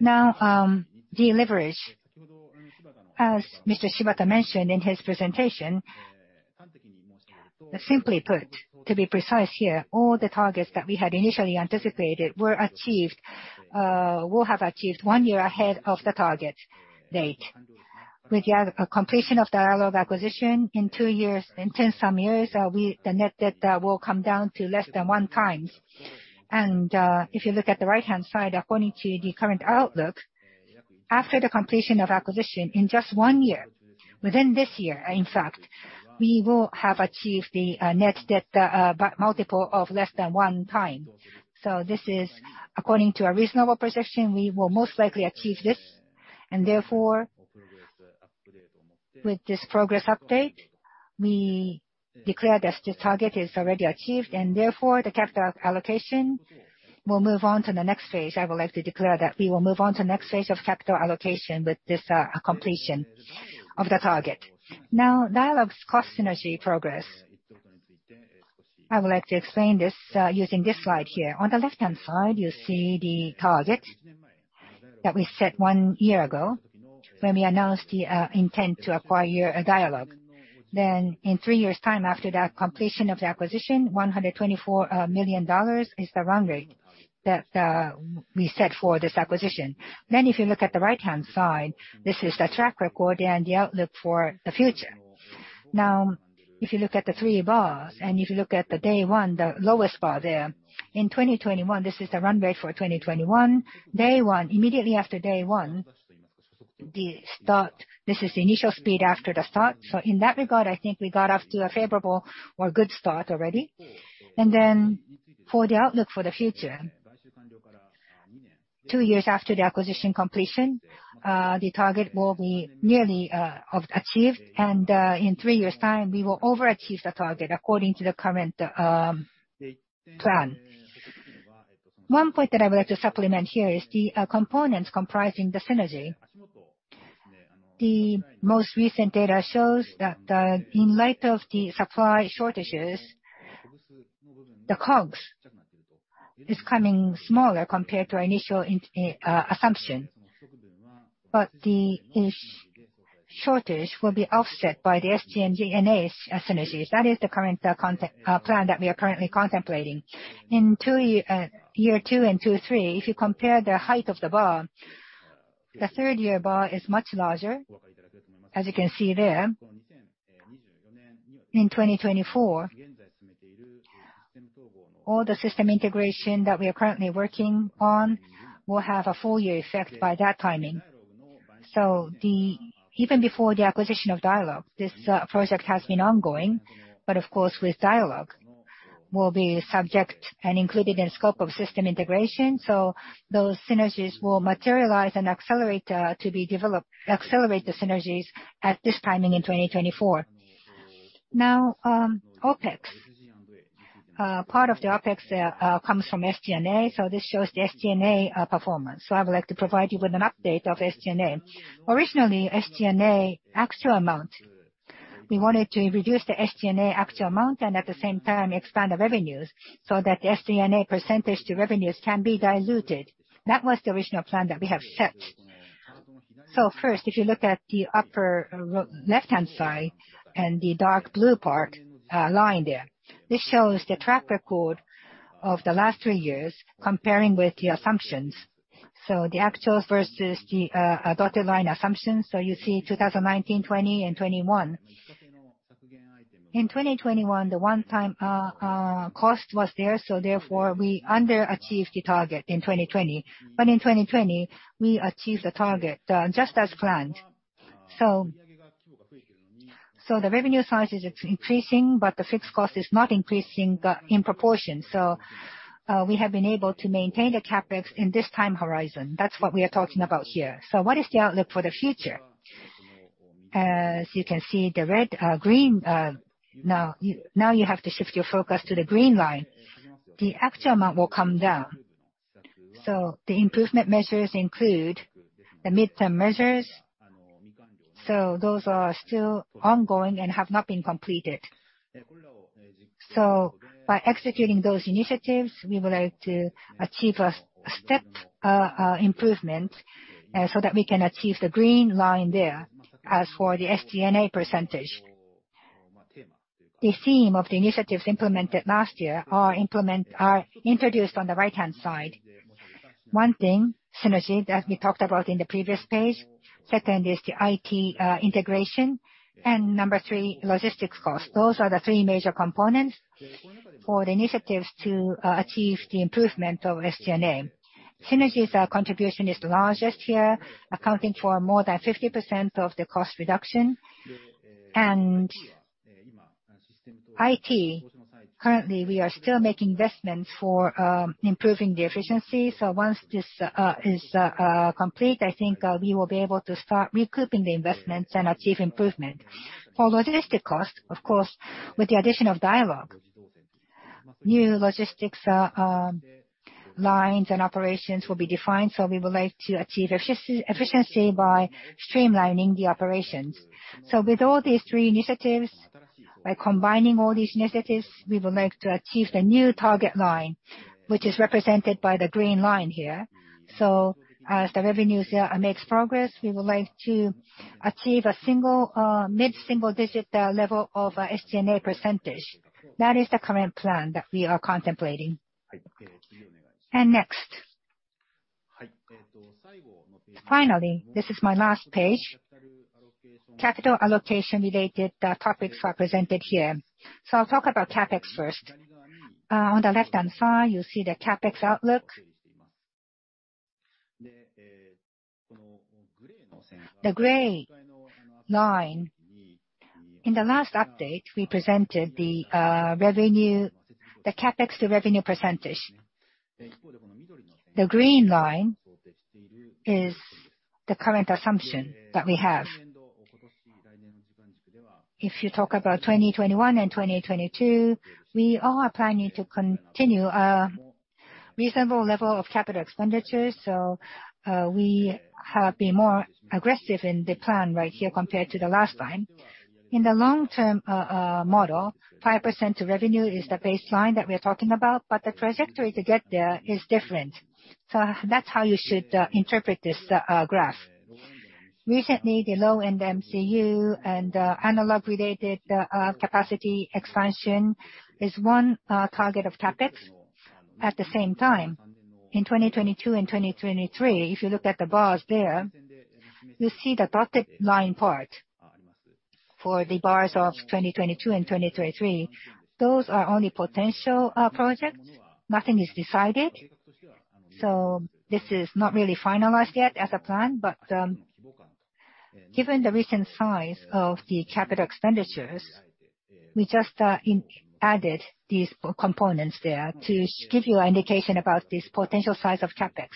Now, the leverage. As Mr. Shibata mentioned in his presentation, simply put, to be precise here, all the targets that we had initially anticipated were achieved, will have achieved one year ahead of the target date. With the completion of the Dialog acquisition in two years, in ten some years, we, the net debt, will come down to less than one times. If you look at the right-hand side according to the current outlook, after the completion of acquisition in just one year, within this year, in fact, we will have achieved the net debt to EBITDA multiple of less than 1x. This is according to our reasonable projection, we will most likely achieve this. Therefore, with this progress update, we declare that the target is already achieved and therefore the capital allocation will move on to the next phase. I would like to declare that we will move on to next phase of capital allocation with this completion of the target. Now, Dialog's cost synergy progress. I would like to explain this using this slide here. On the left-hand side, you see the target that we set one year ago when we announced the intent to acquire Dialog. In three years' time after that completion of the acquisition, $124 million is the run rate that we set for this acquisition. If you look at the right-hand side, this is the track record and the outlook for the future. Now, if you look at the three bars, and if you look at the day one, the lowest bar there, in 2021, this is the run rate for 2021. Day one, immediately after day one, the start, this is the initial speed after the start. In that regard, I think we got off to a favorable or good start already. For the outlook for the future, two years after the acquisition completion, the target will be nearly achieved. In three years' time, we will overachieve the target according to the current plan. One point that I would like to supplement here is the components comprising the synergy. The most recent data shows that in light of the supply shortages, the COGS is coming smaller compared to our initial assumption. The chip shortage will be offset by the SG&A synergies. That is the current plan that we are currently contemplating. In year two and year three, if you compare the height of the bar, the third year bar is much larger, as you can see there. In 2024, all the system integration that we are currently working on will have a full year effect by that timing. Even before the acquisition of Dialog, this project has been ongoing. Of course with Dialog will be subject and included in scope of system integration. Those synergies will materialize and accelerate to be developed, accelerate the synergies at this timing in 2024. Now, OpEx. Part of the OpEx comes from SG&A, so this shows the SG&A performance. I would like to provide you with an update of SG&A. Originally, SG&A actual amount, we wanted to reduce the SG&A actual amount and at the same time expand the revenues so that the SG&A percentage to revenues can be diluted. That was the original plan that we have set. First, if you look at the upper left-hand side and the dark blue part, line there. This shows the track record of the last three years comparing with the assumptions. The actuals versus the dotted line assumptions. You see 2019, 2020, and 2021. In 2021, the one-time cost was there, so therefore we underachieved the target in 2020. But in 2020, we achieved the target just as planned. The revenue size is increasing, but the fixed cost is not increasing in proportion. We have been able to maintain the CapEx in this time horizon. That's what we are talking about here. What is the outlook for the future? As you can see, the red, green, now you have to shift your focus to the green line. The actual amount will come down. The improvement measures include the midterm measures. Those are still ongoing and have not been completed. By executing those initiatives, we would like to achieve a stepped improvement so that we can achieve the green line there. As for the SG&A percentage. The theme of the initiatives implemented last year are introduced on the right-hand side. One thing, synergy, that we talked about in the previous page. Second is the IT integration. Number three, logistics cost. Those are the three major components for the initiatives to achieve the improvement of SG&A. Synergies, our contribution is the largest here, accounting for more than 50% of the cost reduction. IT, currently, we are still making investments for improving the efficiency. Once this is complete, I think we will be able to start recouping the investments and achieve improvement. For logistic cost, of course, with the addition of Dialog, new logistics lines and operations will be defined, so we would like to achieve efficiency by streamlining the operations. With all these three initiatives, by combining all these initiatives, we would like to achieve the new target line, which is represented by the green line here. As the revenues makes progress, we would like to achieve a single mid-single-digit level of SG&A %. That is the current plan that we are contemplating. Next. Finally, this is my last page. Capital allocation related topics are presented here. I'll talk about CapEx first. On the left-hand side, you'll see the CapEx outlook. The gray line, in the last update we presented the revenue, the CapEx to revenue percentage. The green line is the current assumption that we have. If you talk about 2021 and 2022, we are planning to continue a reasonable level of capital expenditures, so we have been more aggressive in the plan right here compared to the last time. In the long term model, 5% to revenue is the baseline that we're talking about, but the trajectory to get there is different. That's how you should interpret this graph. Recently, the low-end MCU and analog-related capacity expansion is one target of CapEx. At the same time, in 2022 and 2023, if you look at the bars there, you see the dotted line part for the bars of 2022 and 2023. Those are only potential projects. Nothing is decided. This is not really finalized yet as a plan, but, given the recent size of the capital expenditures, we just included these components there to give you an indication about this potential size of CapEx.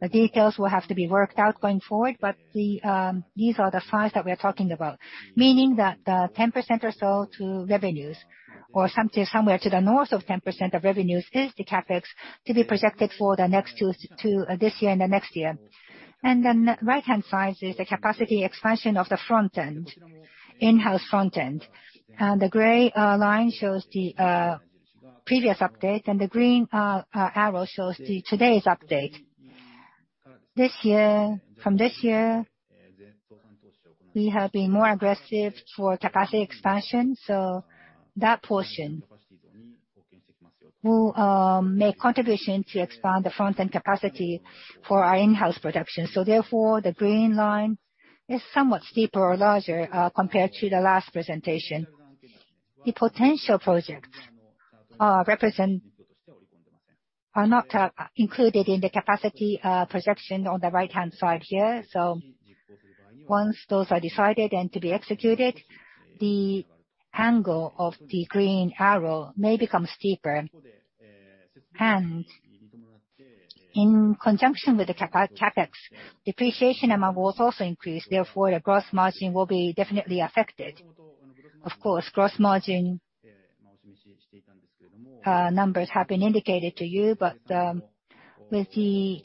The details will have to be worked out going forward, but these are the size that we are talking about. Meaning that, 10% or so to revenues or somewhere to the north of 10% of revenues is the CapEx to be projected for the next two, this year and the next year. Then the right-hand side is the capacity expansion of the front end, in-house front end. The gray line shows the previous update, and the green arrow shows today's update. This year, we have been more aggressive for capacity expansion, so that portion will make contribution to expand the front end capacity for our in-house production. Therefore, the green line is somewhat steeper or larger compared to the last presentation. The potential projects are not included in the capacity projection on the right-hand side here. Once those are decided and to be executed, the angle of the green arrow may become steeper. In conjunction with the CapEx, depreciation amount will also increase, therefore, the gross margin will be definitely affected. Of course, gross margin numbers have been indicated to you, but with the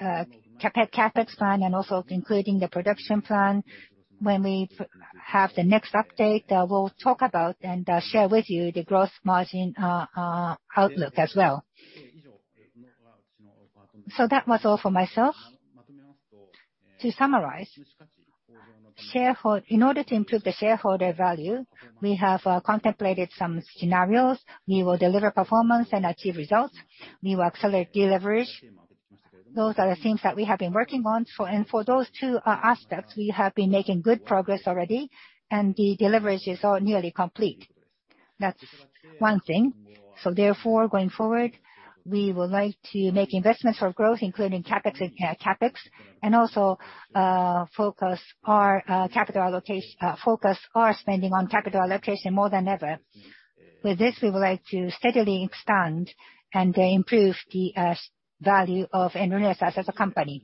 CapEx plan and also including the production plan, when we have the next update, we'll talk about and share with you the gross margin outlook as well. That was all for myself. To summarize, shareholder in order to improve the shareholder value, we have contemplated some scenarios. We will deliver performance and achieve results. We will accelerate deleverage. Those are the things that we have been working on. For those two aspects, we have been making good progress already, and the deleverage is nearly complete. That's one thing. Therefore, going forward, we would like to make investments for growth, including CapEx and also focus our spending on capital allocation more than ever. With this, we would like to steadily expand and improve the shareholder value of Renesas as a company.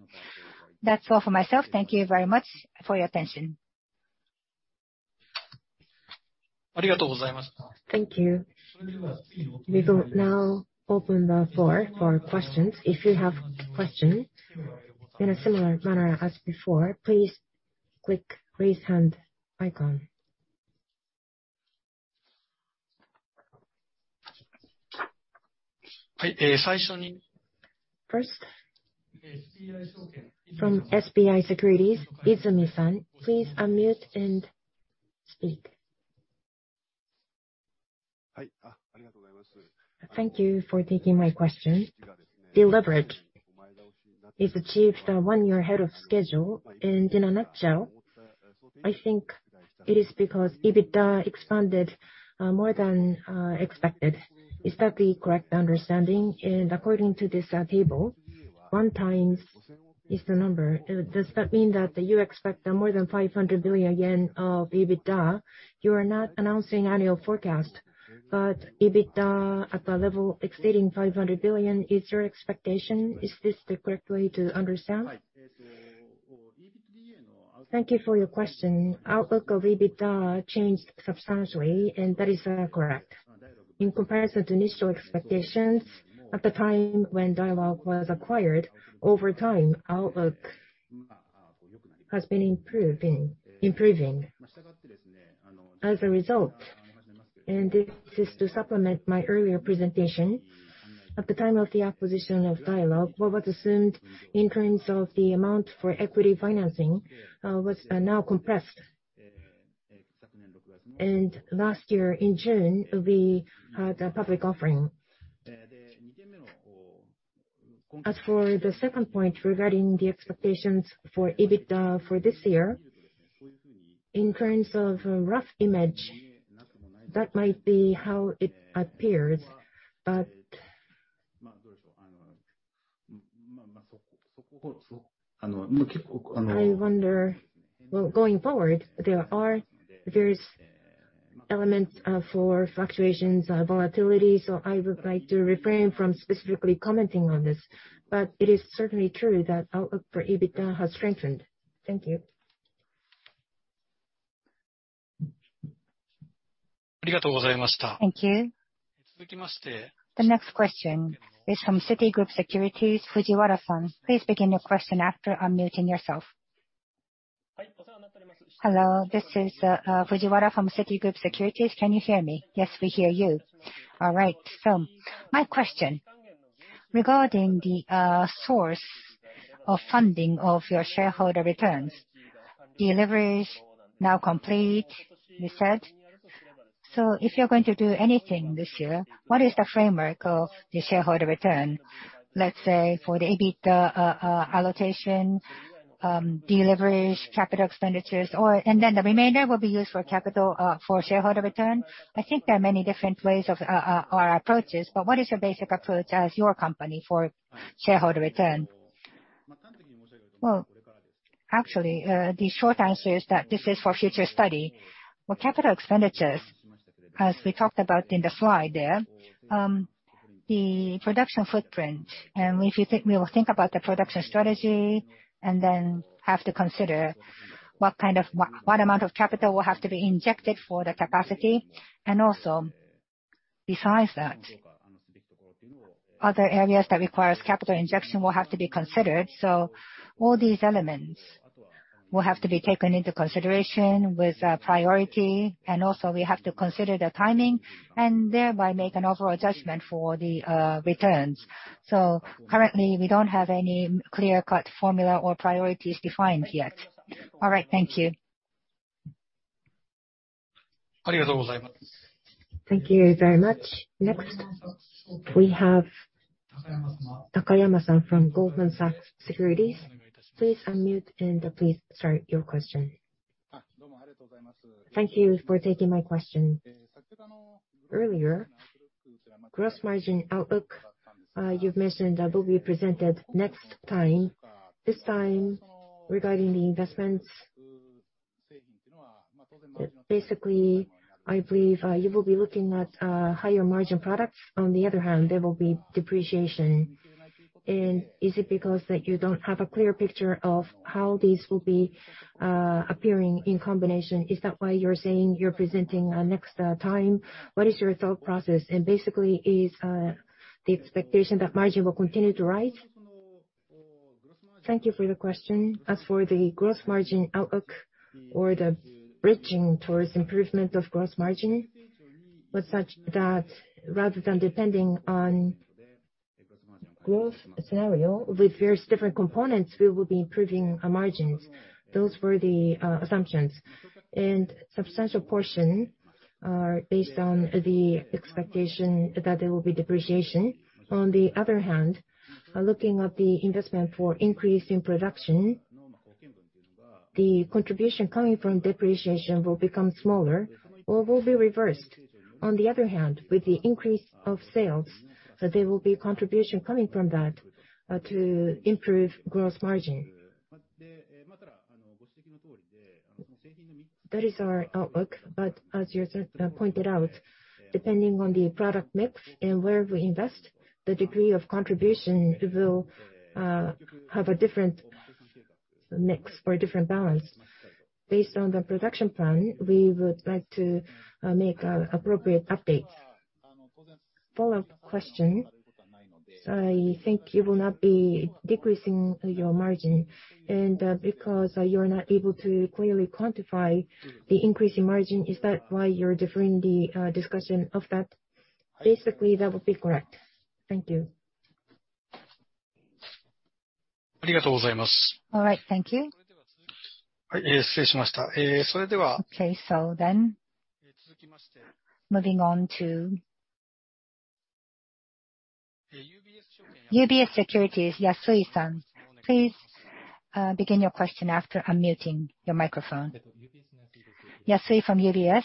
That's all for myself. Thank you very much for your attention. Thank you. We will now open the floor for questions. If you have questions, in a similar manner as before, please click Raise Hand icon. First, from SBI Securities, Izumi-san, please unmute and speak. Thank you for taking my question. Deleveraging has achieved one year ahead of schedule, and in a nutshell, I think it is because EBITDA expanded more than expected. Is that the correct understanding? According to this table, 1x is the number. Does that mean that you expect more than 500 billion yen of EBITDA? You are not announcing annual forecast, but EBITDA at the level exceeding 500 billion is your expectation. Is this the correct way to understand? Thank you for your question. Outlook of EBITDA changed substantially, and that is correct. In comparison to initial expectations at the time when Dialog was acquired, over time, outlook has been improving. As a result, this is to supplement my earlier presentation, at the time of the acquisition of Dialog, what was assumed in terms of the amount for equity financing was now compressed. Last year in June, we had a public offering. As for the second point regarding the expectations for EBITDA for this year, in terms of a rough image, that might be how it appears. I wonder, well, going forward, there are various elements for fluctuations, volatility, so I would like to refrain from specifically commenting on this, but it is certainly true that outlook for EBITDA has strengthened. Thank you. The next question is from Citigroup Securities, Fujiwara-san. Please begin your question after unmuting yourself. Hello, this is Fujiwara from Citigroup Securities. Can you hear me? Yes, we hear you. All right. My question regarding the source of funding of your shareholder returns. Deliveries now complete, you said. If you're going to do anything this year, what is the framework of the shareholder return, let's say, for the EBITDA allocation, deliveries, capital expenditures, or. Then the remainder will be used for capital for shareholder return. I think there are many different ways of or approaches, but what is your basic approach as your company for shareholder return? Well, actually, the short answer is that this is for future study. With capital expenditures, as we talked about in the slide there, the production footprint, we will think about the production strategy and then have to consider what kind of amount of capital will have to be injected for the capacity. Besides that, other areas that requires capital injection will have to be considered. All these elements will have to be taken into consideration with priority. We also have to consider the timing and thereby make an overall adjustment for the returns. Currently, we don't have any clear-cut formula or priorities defined yet. All right. Thank you. Thank you very much. Next, we have Takayama-san from Goldman Sachs Securities. Please unmute, and please start your question. Thank you for taking my question. Earlier, gross margin outlook, you've mentioned that will be presented next time. This time, regarding the investments, basically, I believe, you will be looking at higher margin products. On the other hand, there will be depreciation. Is it because that you don't have a clear picture of how these will be appearing in combination? Is that why you're saying you're presenting next time? What is your thought process? Basically is the expectation that margin will continue to rise? Thank you for the question. As for the gross margin outlook or the bridging towards improvement of gross margin, was such that rather than depending on growth scenario with various different components, we will be improving our margins. Those were the assumptions. Substantial portion are based on the expectation that there will be depreciation. On the other hand, looking at the investment for increase in production, the contribution coming from depreciation will become smaller or will be reversed. On the other hand, with the increase of sales, there will be contribution coming from that to improve gross margin. That is our outlook, but as you pointed out, depending on the product mix and where we invest, the degree of contribution will have a different mix or a different balance. Based on the production plan, we would like to make appropriate updates. Follow-up question. I think you will not be decreasing your margin and because you're not able to clearly quantify the increase in margin. Is that why you're deferring the discussion of that? Basically, that would be correct. Thank you. All right. Thank you. Okay. Moving on to UBS Securities, Yasui-san, please, begin your question after unmuting your microphone. Yasui from UBS.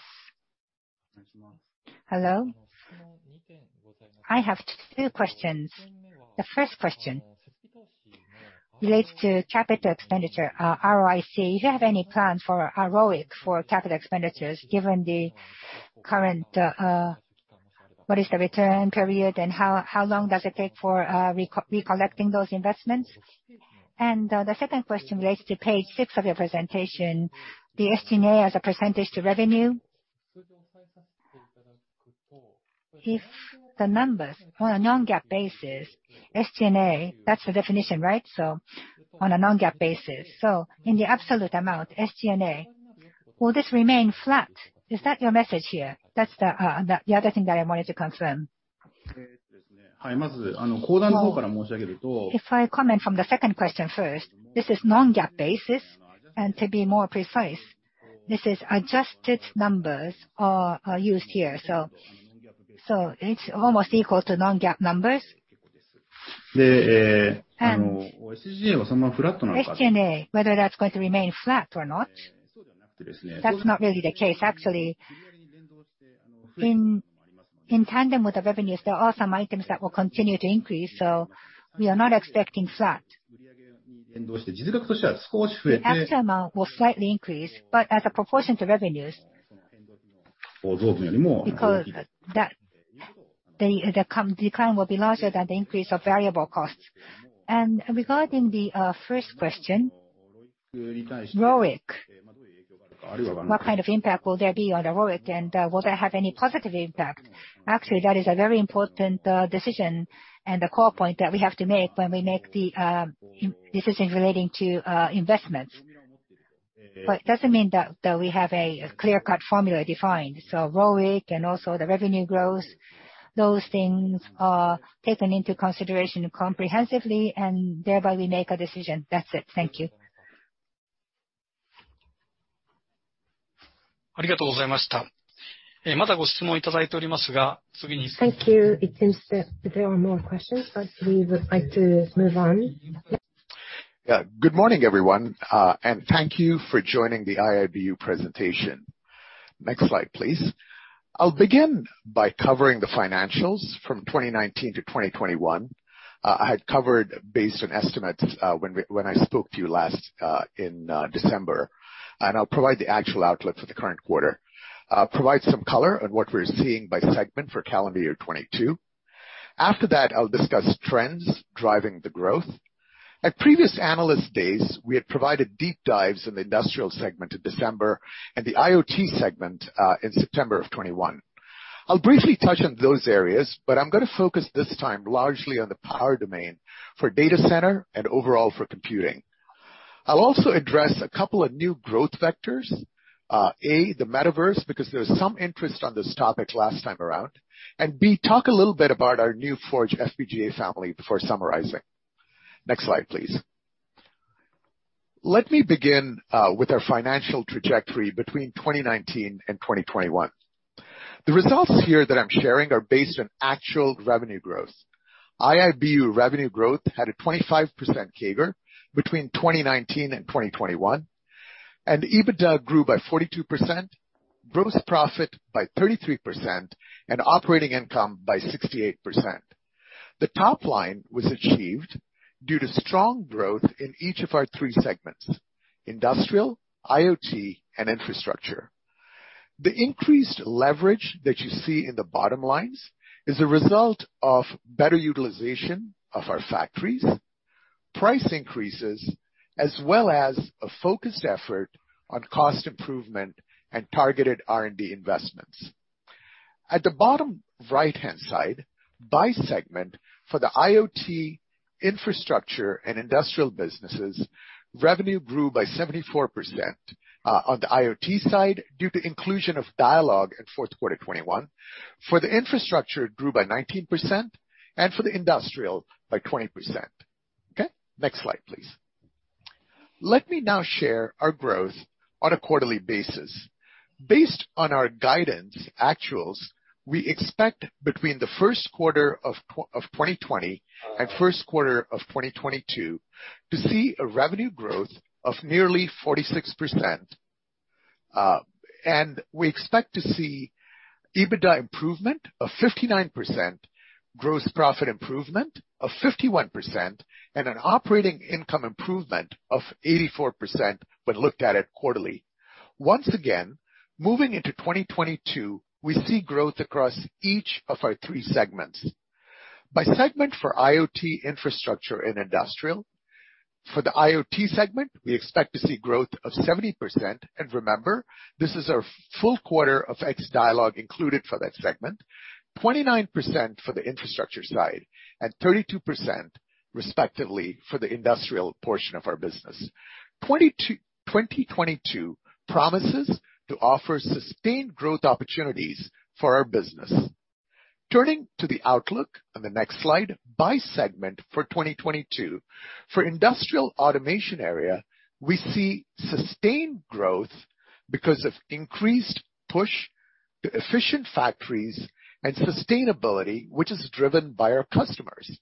Hello. I have two questions. The first question relates to capital expenditure, ROIC. Do you have any plan for ROIC for capital expenditures given the current, what is the return period and how long does it take for recouping those investments? The second question relates to page six of your presentation, the SG&A as a percentage to revenue. If the numbers on a non-GAAP basis, SG&A, that's the definition, right? On a non-GAAP basis. In the absolute amount, SG&A, will this remain flat? Is that your message here? That's the other thing that I wanted to confirm. If I comment from the second question first, this is non-GAAP basis. To be more precise, this is adjusted numbers are used here. So it's almost equal to non-GAAP numbers. SG&A, whether that's going to remain flat or not, that's not really the case. Actually, in tandem with the revenues, there are some items that will continue to increase, so we are not expecting flat. The latter amount will slightly increase, but as a proportion to revenues, because the comp decline will be larger than the increase of variable costs. Regarding the first question, ROIC, what kind of impact will there be on the ROIC, and will that have any positive impact? Actually, that is a very important decision and a core point that we have to make when we make the decision relating to investment. But it doesn't mean that we have a clear-cut formula defined. ROIC and also the revenue growth, those things are taken into consideration comprehensively, and thereby we make a decision. That's it. Thank you. Thank you. It seems that there are more questions, but we would like to move on. Yeah. Good morning, everyone, and thank you for joining the IIBU presentation. Next slide, please. I'll begin by covering the financials from 2019 to 2021. I had covered based on estimates when I spoke to you last in December, and I'll provide the actual outlook for the current quarter, provide some color on what we're seeing by segment for calendar year 2022. After that, I'll discuss trends driving the growth. At previous analyst days, we had provided deep dives in the industrial segment in December and the IoT segment in September of 2021. I'll briefly touch on those areas, but I'm gonna focus this time largely on the power domain for data center and overall for computing. I'll also address a couple of new growth vectors. A, the Metaverse, because there was some interest on this topic last time around. B, talk a little bit about our new ForgeFPGA family before summarizing. Next slide, please. Let me begin with our financial trajectory between 2019 and 2021. The results here that I'm sharing are based on actual revenue growth. IIBU revenue growth had a 25% CAGR between 2019 and 2021, and EBITDA grew by 42%, gross profit by 33%, and operating income by 68%. The top line was achieved due to strong growth in each of our three segments, industrial, IoT, and infrastructure. The increased leverage that you see in the bottom lines is a result of better utilization of our factories, price increases, as well as a focused effort on cost improvement and targeted R&D investments. At the bottom right-hand side, by segment for the IoT infrastructure and industrial businesses, revenue grew by 74%, on the IoT side due to inclusion of Dialog in fourth quarter 2021. For the infrastructure, it grew by 19%, and for the industrial by 20%. Okay. Next slide, please. Let me now share our growth on a quarterly basis. Based on our guidance actuals, we expect between the first quarter of 2020 and first quarter of 2022 to see a revenue growth of nearly 46%. We expect to see EBITDA improvement of 59%, gross profit improvement of 51%, and an operating income improvement of 84% when looked at it quarterly. Once again, moving into 2022, we see growth across each of our three segments. By segment for IoT infrastructure and industrial. For the IoT segment, we expect to see growth of 70%, and remember, this is our full quarter of ex-Dialog included for that segment. 29% for the infrastructure side and 32% respectively for the industrial portion of our business. 2022 promises to offer sustained growth opportunities for our business. Turning to the outlook on the next slide by segment for 2022. For industrial automation area, we see sustained growth because of increased push to efficient factories and sustainability, which is driven by our customers.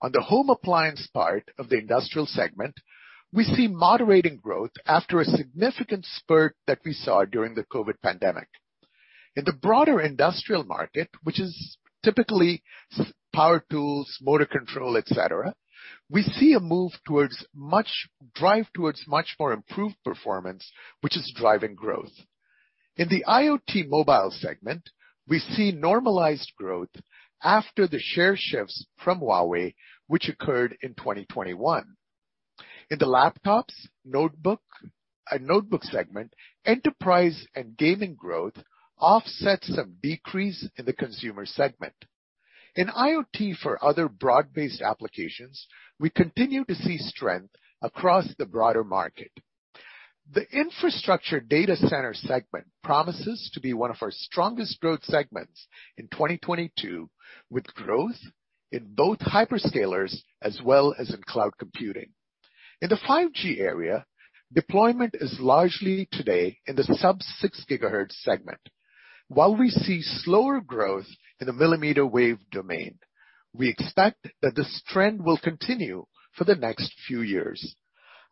On the home appliance part of the industrial segment, we see moderating growth after a significant spurt that we saw during the COVID pandemic. In the broader industrial market, which is typically power tools, motor control, et cetera, we see a move towards much more improved performance, which is driving growth. In the IoT mobile segment, we see normalized growth after the share shifts from Huawei, which occurred in 2021. In the laptops, notebook, and notebook segment, enterprise and gaming growth offsets some decrease in the consumer segment. In IoT for other broad-based applications, we continue to see strength across the broader market. The infrastructure data center segment promises to be one of our strongest growth segments in 2022, with growth in both hyperscalers as well as in cloud computing. In the 5G area, deployment is largely today in the sub-6 GHz segment. While we see slower growth in the millimeter wave domain, we expect that this trend will continue for the next few years.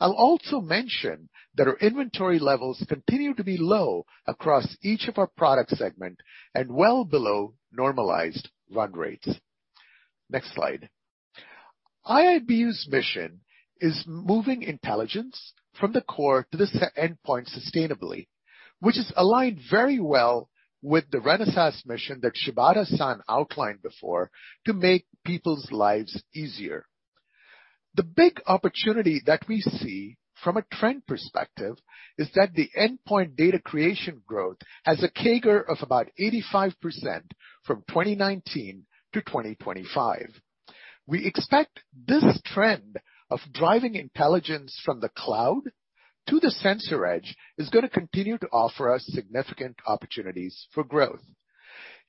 I'll also mention that our inventory levels continue to be low across each of our product segments and well below normalized run rates. Next slide. IIBU's mission is moving intelligence from the core to the sensor endpoint sustainably, which is aligned very well with the Renesas mission that Shibata-san outlined before to make people's lives easier. The big opportunity that we see from a trend perspective is that the endpoint data creation growth has a CAGR of about 85% from 2019 to 2025. We expect this trend of driving intelligence from the cloud to the sensor edge is gonna continue to offer us significant opportunities for growth.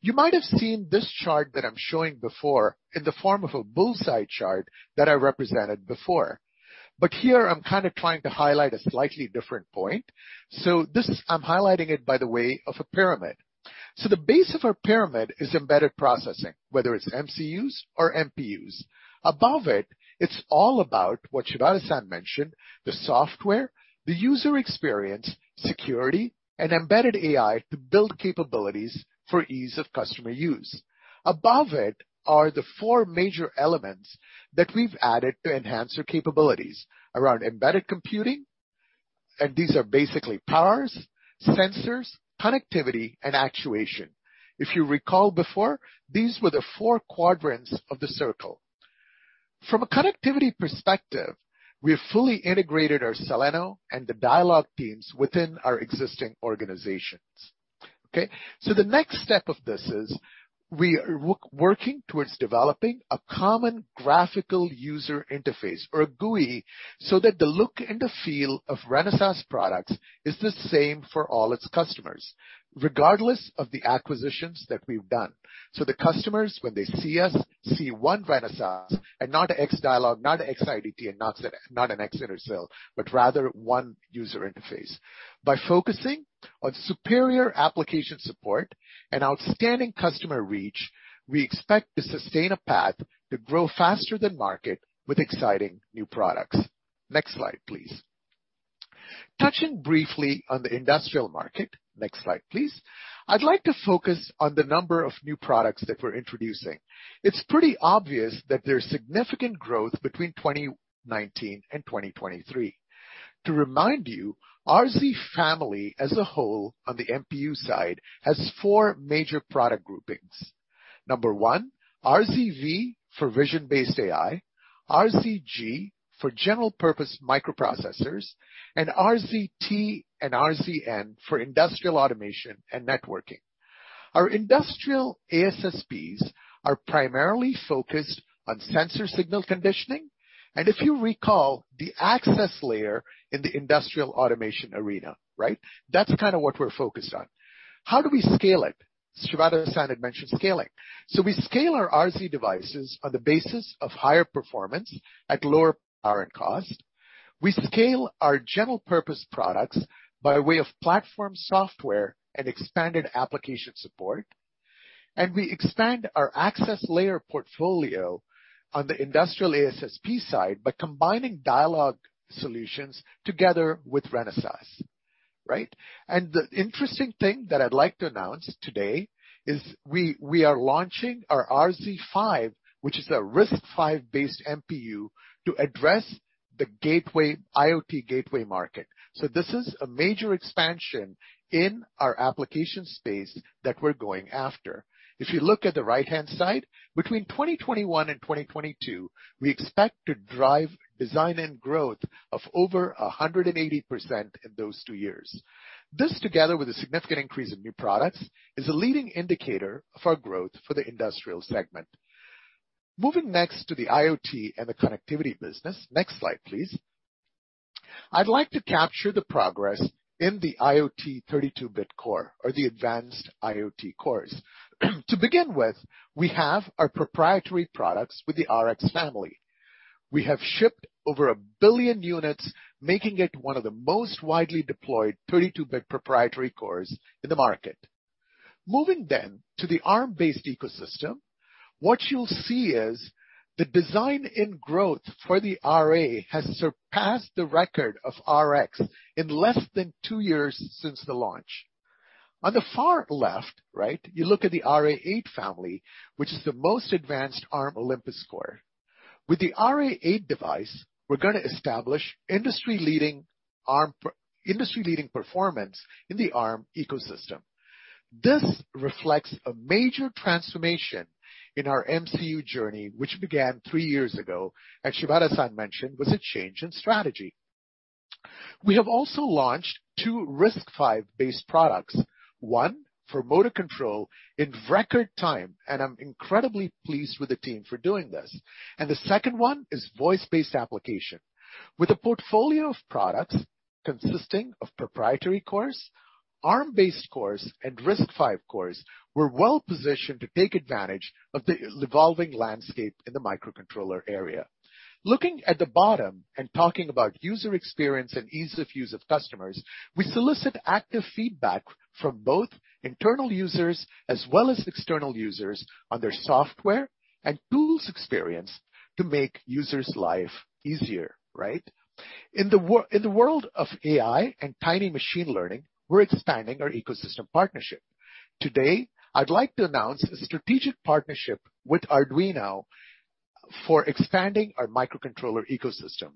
You might have seen this chart that I'm showing before in the form of a bullseye chart that I represented before, but here I'm kinda trying to highlight a slightly different point. I'm highlighting it by way of a pyramid. The base of our pyramid is embedded processing, whether it's MCUs or MPUs. Above it's all about what Shibata-san mentioned, the software, the user experience, security, and embedded AI to build capabilities for ease of customer use. Above it are the four major elements that we've added to enhance our capabilities around embedded computing, and these are basically powers, sensors, connectivity, and actuation. If you recall before, these were the four quadrants of the circle. From a connectivity perspective, we have fully integrated our Celeno and the Dialog teams within our existing organizations, okay? The next step of this is we are working towards developing a common graphical user interface or a GUI, so that the look and the feel of Renesas products is the same for all its customers, regardless of the acquisitions that we've done. The customers, when they see us, see one Renesas and not ex-Dialog, not ex-IDT, and not an ex-Intersil, but rather one user interface. By focusing on superior application support and outstanding customer reach, we expect to sustain a path to grow faster than market with exciting new products. Next slide, please. Touching briefly on the industrial market. Next slide, please. I'd like to focus on the number of new products that we're introducing. It's pretty obvious that there's significant growth between 2019 and 2023. To remind you, RZ family as a whole on the MPU side has four major product groupings. Number one, RZV for vision-based AI, RZG for general purpose microprocessors, and RZT and RZN for industrial automation and networking. Our industrial ASSPs are primarily focused on sensor signal conditioning, and if you recall, the access layer in the industrial automation arena, right? That's kinda what we're focused on. How do we scale it? Shibata-san had mentioned scaling. We scale our RZ devices on the basis of higher performance at lower power and cost. We scale our general purpose products by way of platform software and expanded application support. We expand our access layer portfolio on the industrial ASSP side by combining Dialog solutions together with Renesas, right? The interesting thing that I'd like to announce today is we are launching our RZ/Five, which is a RISC-V based MPU, to address the gateway, IoT gateway market. This is a major expansion in our application space that we're going after. If you look at the right-hand side, between 2021 and 2022, we expect to drive design and growth of over 180% in those two years. This, together with a significant increase in new products, is a leading indicator of our growth for the industrial segment. Moving next to the IoT and the connectivity business. Next slide, please. I'd like to capture the progress in the IoT 32-bit core or the advanced IoT cores. To begin with, we have our proprietary products with the RX family. We have shipped over a billion units, making it one of the most widely deployed 32-bit proprietary cores in the market. Moving then to the Arm-based ecosystem, what you'll see is the design in growth for the RA has surpassed the record of RX in less than two years since the launch. On the far left, you look at the RA8 family, which is the most advanced Arm Cortex-M85 core. With the RA8 device, we're gonna establish industry-leading performance in the Arm ecosystem. This reflects a major transformation in our MCU journey, which began three years ago, as Shibata-san mentioned, with a change in strategy. We have also launched two RISC-V based products, one for motor control in record time, and I'm incredibly pleased with the team for doing this. The second one is voice-based application. With a portfolio of products consisting of proprietary cores, Arm-based cores, and RISC-V cores, we're well-positioned to take advantage of the evolving landscape in the microcontroller area. Looking at the bottom and talking about user experience and ease of use of customers, we solicit active feedback from both internal users as well as external users on their software and tools experience to make users' life easier, right? In the world of AI and tiny machine learning, we're expanding our ecosystem partnership. Today, I'd like to announce a strategic partnership with Arduino for expanding our microcontroller ecosystem.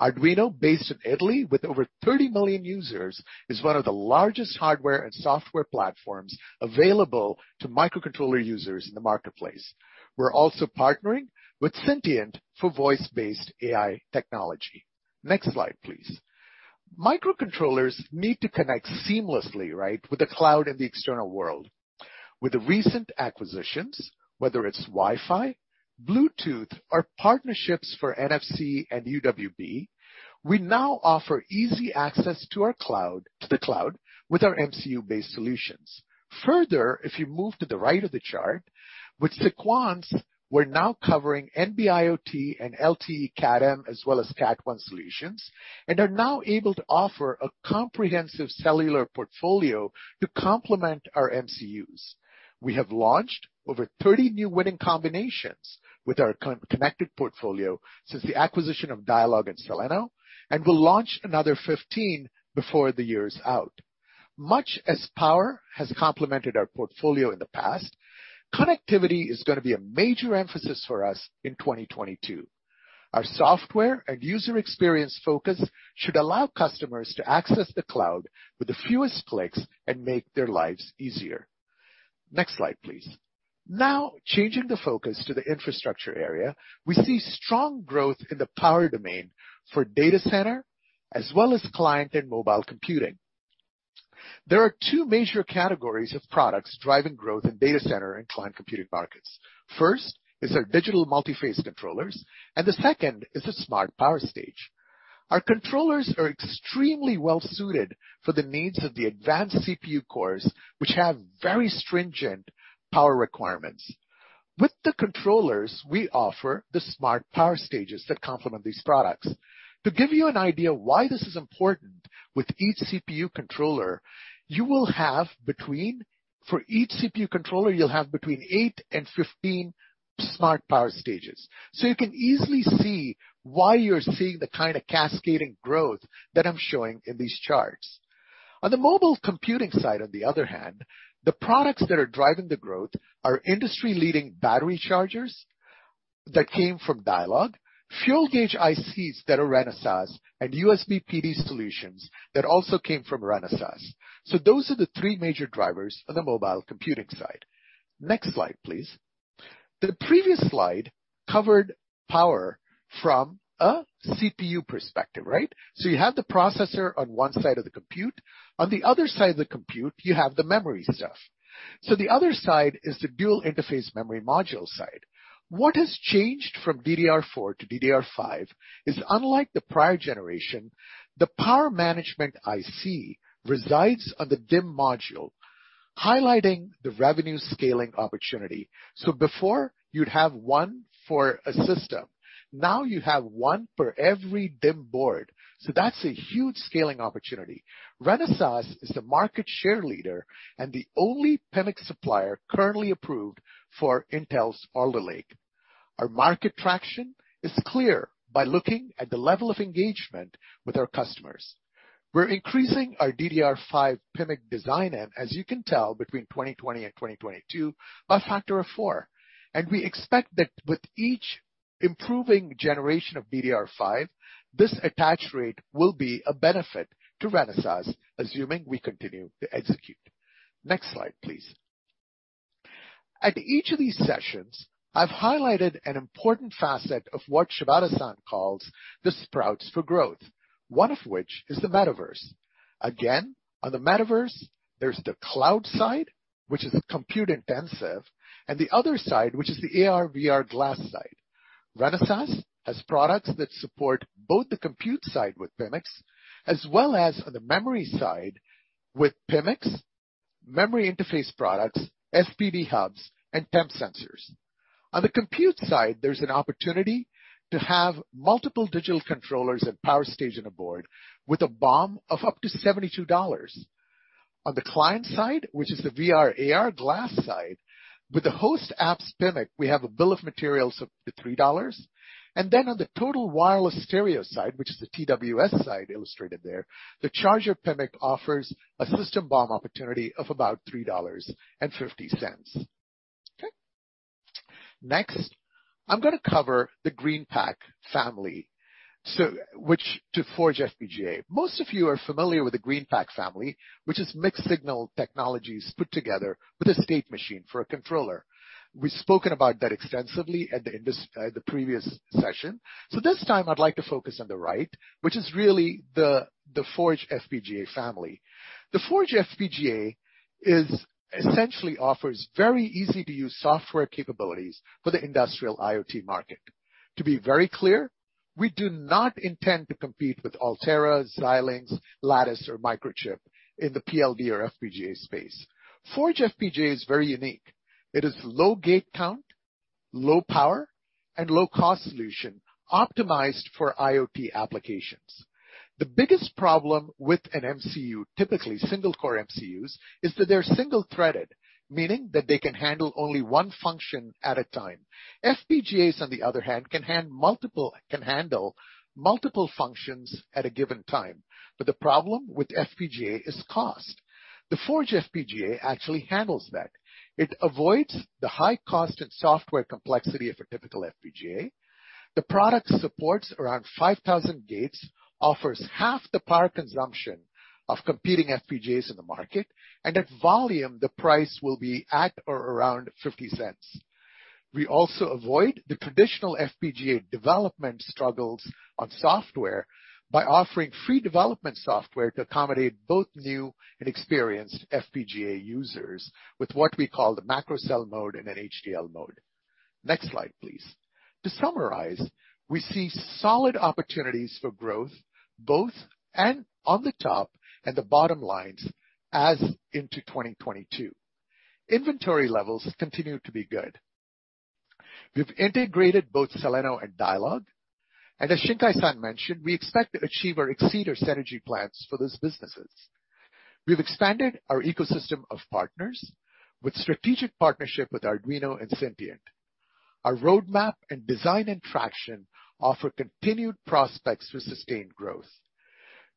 Arduino, based in Italy with over 30 million users, is one of the largest hardware and software platforms available to microcontroller users in the marketplace. We're also partnering with Syntiant for voice-based AI technology. Next slide, please. Microcontrollers need to connect seamlessly, right, with the cloud and the external world. With the recent acquisitions, whether it's Wi-Fi, Bluetooth, or partnerships for NFC and UWB, we now offer easy access to our cloud, to the cloud with our MCU-based solutions. Further, if you move to the right of the chart, with Sequans, we're now covering NB-IoT and LTE Cat-M as well as Cat-1 solutions, and are now able to offer a comprehensive cellular portfolio to complement our MCUs. We have launched over 30 new Winning Combinations with our connected portfolio since the acquisition of Dialog and Celeno, and we'll launch another 15 before the year is out. Much as power has complemented our portfolio in the past, connectivity is gonna be a major emphasis for us in 2022. Our software and user experience focus should allow customers to access the cloud with the fewest clicks and make their lives easier. Next slide, please. Now, changing the focus to the infrastructure area, we see strong growth in the power domain for data center as well as client and mobile computing. There are two major categories of products driving growth in data center and client computing markets. First is our digital multiphase controllers, and the second is the Smart Power Stage. Our controllers are extremely well suited for the needs of the advanced CPU cores, which have very stringent power requirements. With the controllers, we offer the Smart Power Stages that complement these products. To give you an idea why this is important, for each CPU controller you'll have between eight and 15 Smart Power Stages. You can easily see why you're seeing the kinda cascading growth that I'm showing in these charts. On the mobile computing side, on the other hand, the products that are driving the growth are industry-leading battery chargers that came from Dialog, fuel gauge ICs that are Renesas, and USB PD solutions that also came from Renesas. Those are the three major drivers on the mobile computing side. Next slide, please. The previous slide covered power from a CPU perspective, right? You have the processor on one side of the compute. On the other side of the compute, you have the memory stuff. The other side is the dual interface memory module side. What has changed from DDR4 to DDR5 is, unlike the prior generation, the power management IC resides on the DIMM module, highlighting the revenue scaling opportunity. Before, you'd have one for a system, now you have one for every DIMM board, so that's a huge scaling opportunity. Renesas is the market share leader and the only PMIC supplier currently approved for Intel's Alder Lake. Our market traction is clear by looking at the level of engagement with our customers. We're increasing our DDR5 PMIC design in, as you can tell, between 2020 and 2022 by a factor of 4. We expect that with each improving generation of DDR5, this attach rate will be a benefit to Renesas, assuming we continue to execute. Next slide, please. At each of these sessions, I've highlighted an important facet of what Shibata-san calls the sprouts for growth, one of which is the metaverse. Again, on the Metaverse, there's the cloud side, which is compute intensive, and the other side, which is the AR/VR glass side. Renesas has products that support both the compute side with PMICs, as well as on the memory side with PMICs memory interface products, SPD hubs, and temp sensors. On the compute side, there's an opportunity to have multiple digital controllers and power stage on a board with a BOM of up to $72. On the client side, which is the VR/AR glass side, with the host apps PMIC, we have a bill of materials of $3. On the total wireless stereo side, which is the TWS side illustrated there, the charger PMIC offers a system BOM opportunity of about $3.50. Okay. Next, I'm gonna cover the GreenPAK family. Most of you are familiar with the GreenPAK family, which is mixed-signal technologies put together with a state machine for a controller. We've spoken about that extensively at the previous session. This time I'd like to focus on the FPGA, which is really the ForgeFPGA family. The ForgeFPGA essentially offers very easy to use software capabilities for the industrial IoT market. To be very clear, we do not intend to compete with Altera, Xilinx, Lattice, or Microchip in the PLD or FPGA space. ForgeFPGA is very unique. It is low gate count, low power, and low cost solution optimized for IoT applications. The biggest problem with an MCU, typically single core MCUs, is that they're single-threaded, meaning that they can handle only one function at a time. FPGAs, on the other hand, can handle multiple functions at a given time. But the problem with FPGA is cost. The ForgeFPGA actually handles that. It avoids the high cost and software complexity of a typical FPGA. The product supports around 5,000 gates, offers half the power consumption of competing FPGAs in the market, and at volume the price will be at or around $0.50. We also avoid the traditional FPGA development struggles on software by offering free development software to accommodate both new and experienced FPGA users with what we call the macro cell mode and an HDL mode. Next slide, please. To summarize, we see solid opportunities for growth both and on the top and the bottom lines as into 2022. Inventory levels continue to be good. We've integrated both Celeno and Dialog. As Shibata-san mentioned, we expect to achieve or exceed our synergy plans for those businesses. We've expanded our ecosystem of partners with strategic partnership with Arduino and Syntiant. Our roadmap and design and traction offer continued prospects for sustained growth.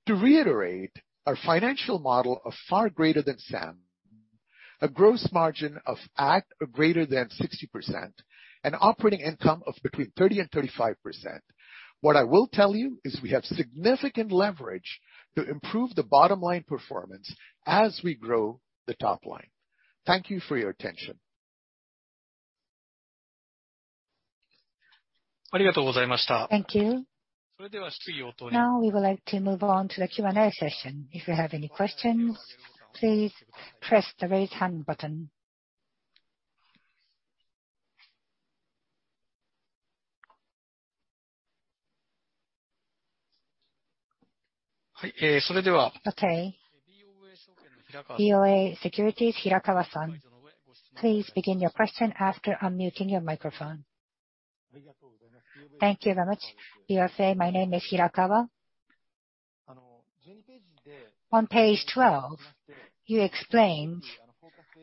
To reiterate, our financial model of far greater than SAM, a gross margin of at or greater than 60%, an operating income of between 30% and 35%. What I will tell you is we have significant leverage to improve the bottom line performance as we grow the top line. Thank you for your attention. Thank you. Now we would like to move on to the Q&A session. If you have any questions, please press the raise hand button. Okay. BofA Securities, Hirakawa-san, please begin your question after unmuting your microphone. Thank you very much. BofA, my name is Hirakawa. On page 12, you explained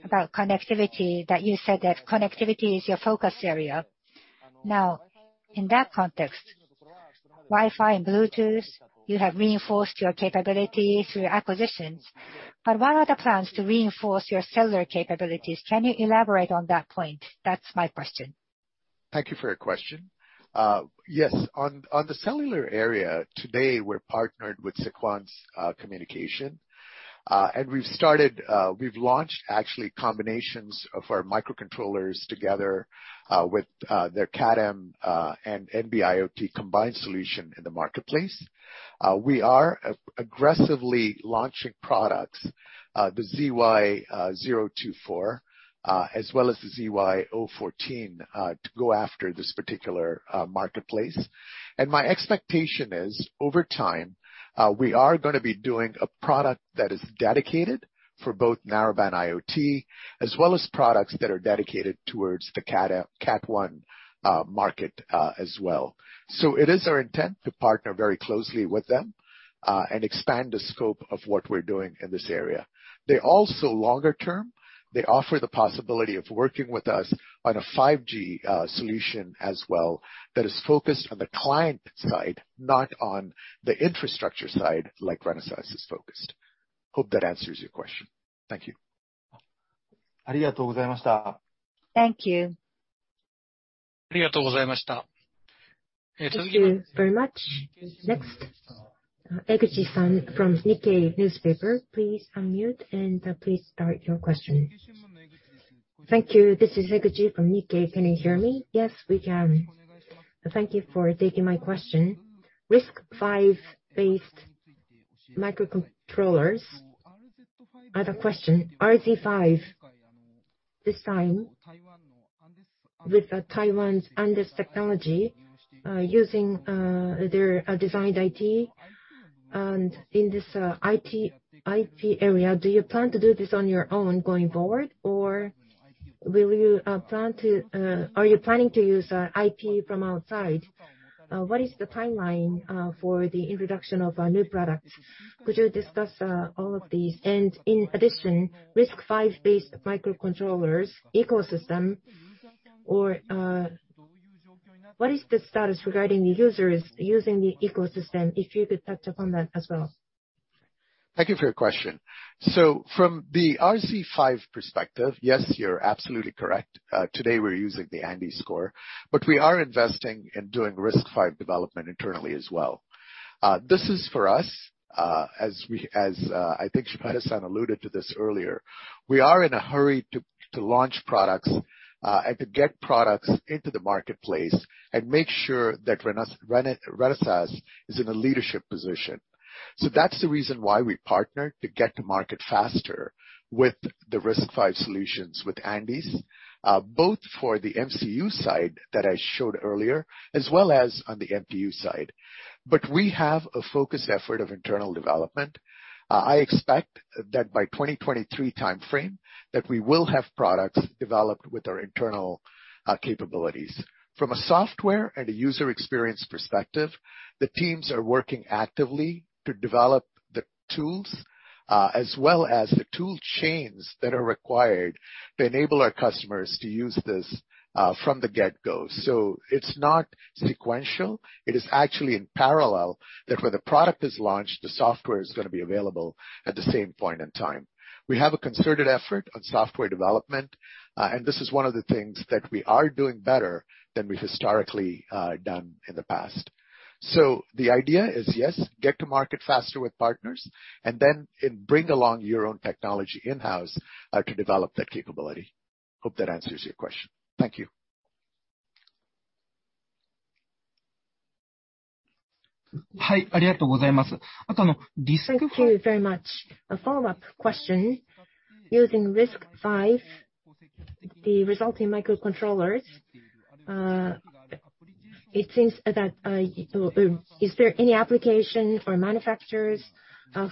about connectivity, that you said that connectivity is your focus area. Now, in that context, Wi-Fi and Bluetooth, you have reinforced your capabilities through acquisitions. What are the plans to reinforce your cellular capabilities? Can you elaborate on that point? That's my question. Thank you for your question. Yes. On the cellular area, today we're partnered with Sequans Communications. We've launched actually combinations of our microcontrollers together with their Cat-M and NB-IoT combined solution in the marketplace. We are aggressively launching products, the ZY 024, as well as the ZY O14, to go after this particular marketplace. My expectation is, over time, we are gonna be doing a product that is dedicated for both Narrowband IoT, as well as products that are dedicated towards the Cat-1 market, as well. It is our intent to partner very closely with them and expand the scope of what we're doing in this area. They also, longer term, they offer the possibility of working with us on a 5G solution as well that is focused on the client side, not on the infrastructure side like Renesas is focused. Hope that answers your question. Thank you. Thank you. Thank you very much. Next, Higuchi-san from Nikkei Newspaper, please unmute and please start your question. Thank you. This is Higuchi from Nikkei. Can you hear me? Yes, we can. Thank you for taking my question. RISC-V based microcontrollers. I have a question. RZ/Five design with Taiwan's Andes Technology using their designed IP. In this IP area, do you plan to do this on your own going forward? Or are you planning to use IP from outside? What is the timeline for the introduction of new products? Could you discuss all of these? In addition, RISC-V based microcontrollers ecosystem or what is the status regarding the users using the ecosystem, if you could touch upon that as well. Thank you for your question. From the RZ5 perspective, yes, you're absolutely correct. Today we're using the Andes core. We are investing in doing RISC-V development internally as well. This is for us, as we, I think Shibata-san alluded to this earlier. We are in a hurry to launch products, and to get products into the marketplace, and make sure that Renesas is in a leadership position. That's the reason why we partnered to get to market faster with the RISC-V solutions with Andes, both for the MCU side that I showed earlier, as well as on the MPU side. We have a focused effort of internal development. I expect that by 2023 timeframe, that we will have products developed with our internal capabilities. From a software and a user experience perspective, the teams are working actively to develop the tools, as well as the tool chains that are required to enable our customers to use this, from the get-go. It's not sequential. It is actually in parallel, that when the product is launched, the software is gonna be available at the same point in time. We have a concerted effort on software development, and this is one of the things that we are doing better than we've historically done in the past. The idea is, yes, get to market faster with partners, and then it bring along your own technology in-house, to develop that capability. Hope that answers your question. Thank you. Thank you very much. A follow-up question. Using RISC-V, the resulting microcontrollers, it seems that is there any application for manufacturers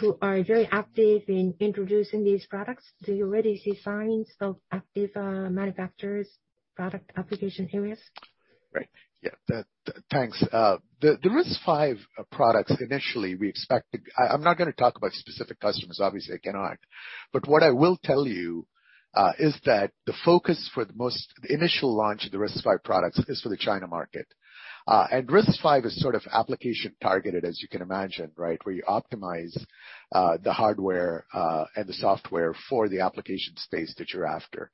who are very active in introducing these products? Do you already see signs of active manufacturers' product application areas? Right. Yeah. Thanks. I'm not gonna talk about specific customers. Obviously, I cannot. What I will tell you is that the focus for the initial launch of the RISC-V products is for the China market. RISC-V is sort of application targeted, as you can imagine, right? Where you optimize the hardware and the software for the application space that you're after.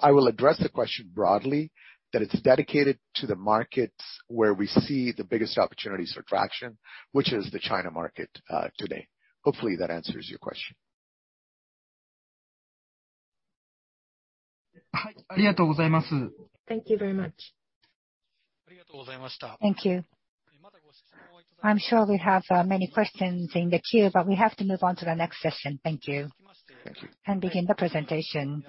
I will address the question broadly, that it's dedicated to the markets where we see the biggest opportunities for traction, which is the China market today. Hopefully, that answers your question. Thank you very much. Thank you. I'm sure we have many questions in the queue, but we have to move on to the next session. Thank you. Thank you. Begin the presentation.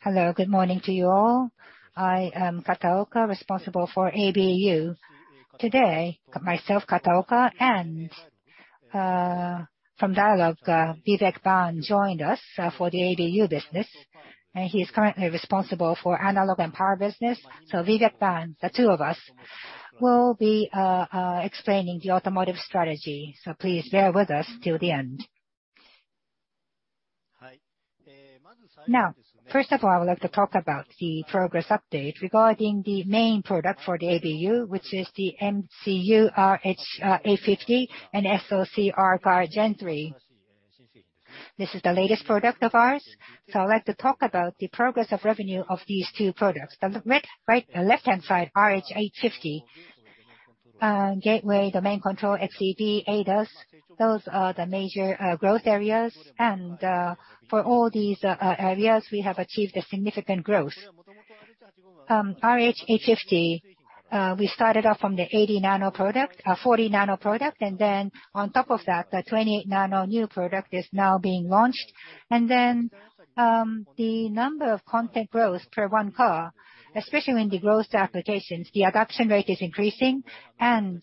Hello, good morning to you all. I am Kataoka, responsible for ABU. Today, myself, Kataoka, and from Dialog, Vivek Bhan joined us for the ABU business. He is currently responsible for analog and power business. Vivek Bhan, the two of us, will be explaining the automotive strategy. Please bear with us till the end. Now, first of all, I would like to talk about the progress update regarding the main product for the ABU, which is the MCU RH850 and SoC R-Car Gen3. This is the latest product of ours, so I'd like to talk about the progress of revenue of these two products. The right, left-hand side, RH850, gateway, domain control, xEV, ADAS, those are the major growth areas. For all these areas, we have achieved a significant growth. RH850, we started off from the 80 nm product, 40 nm product, and then on top of that, the 28 nm new product is now being launched. The number of content growth per one car, especially in the growth applications, the adoption rate is increasing. In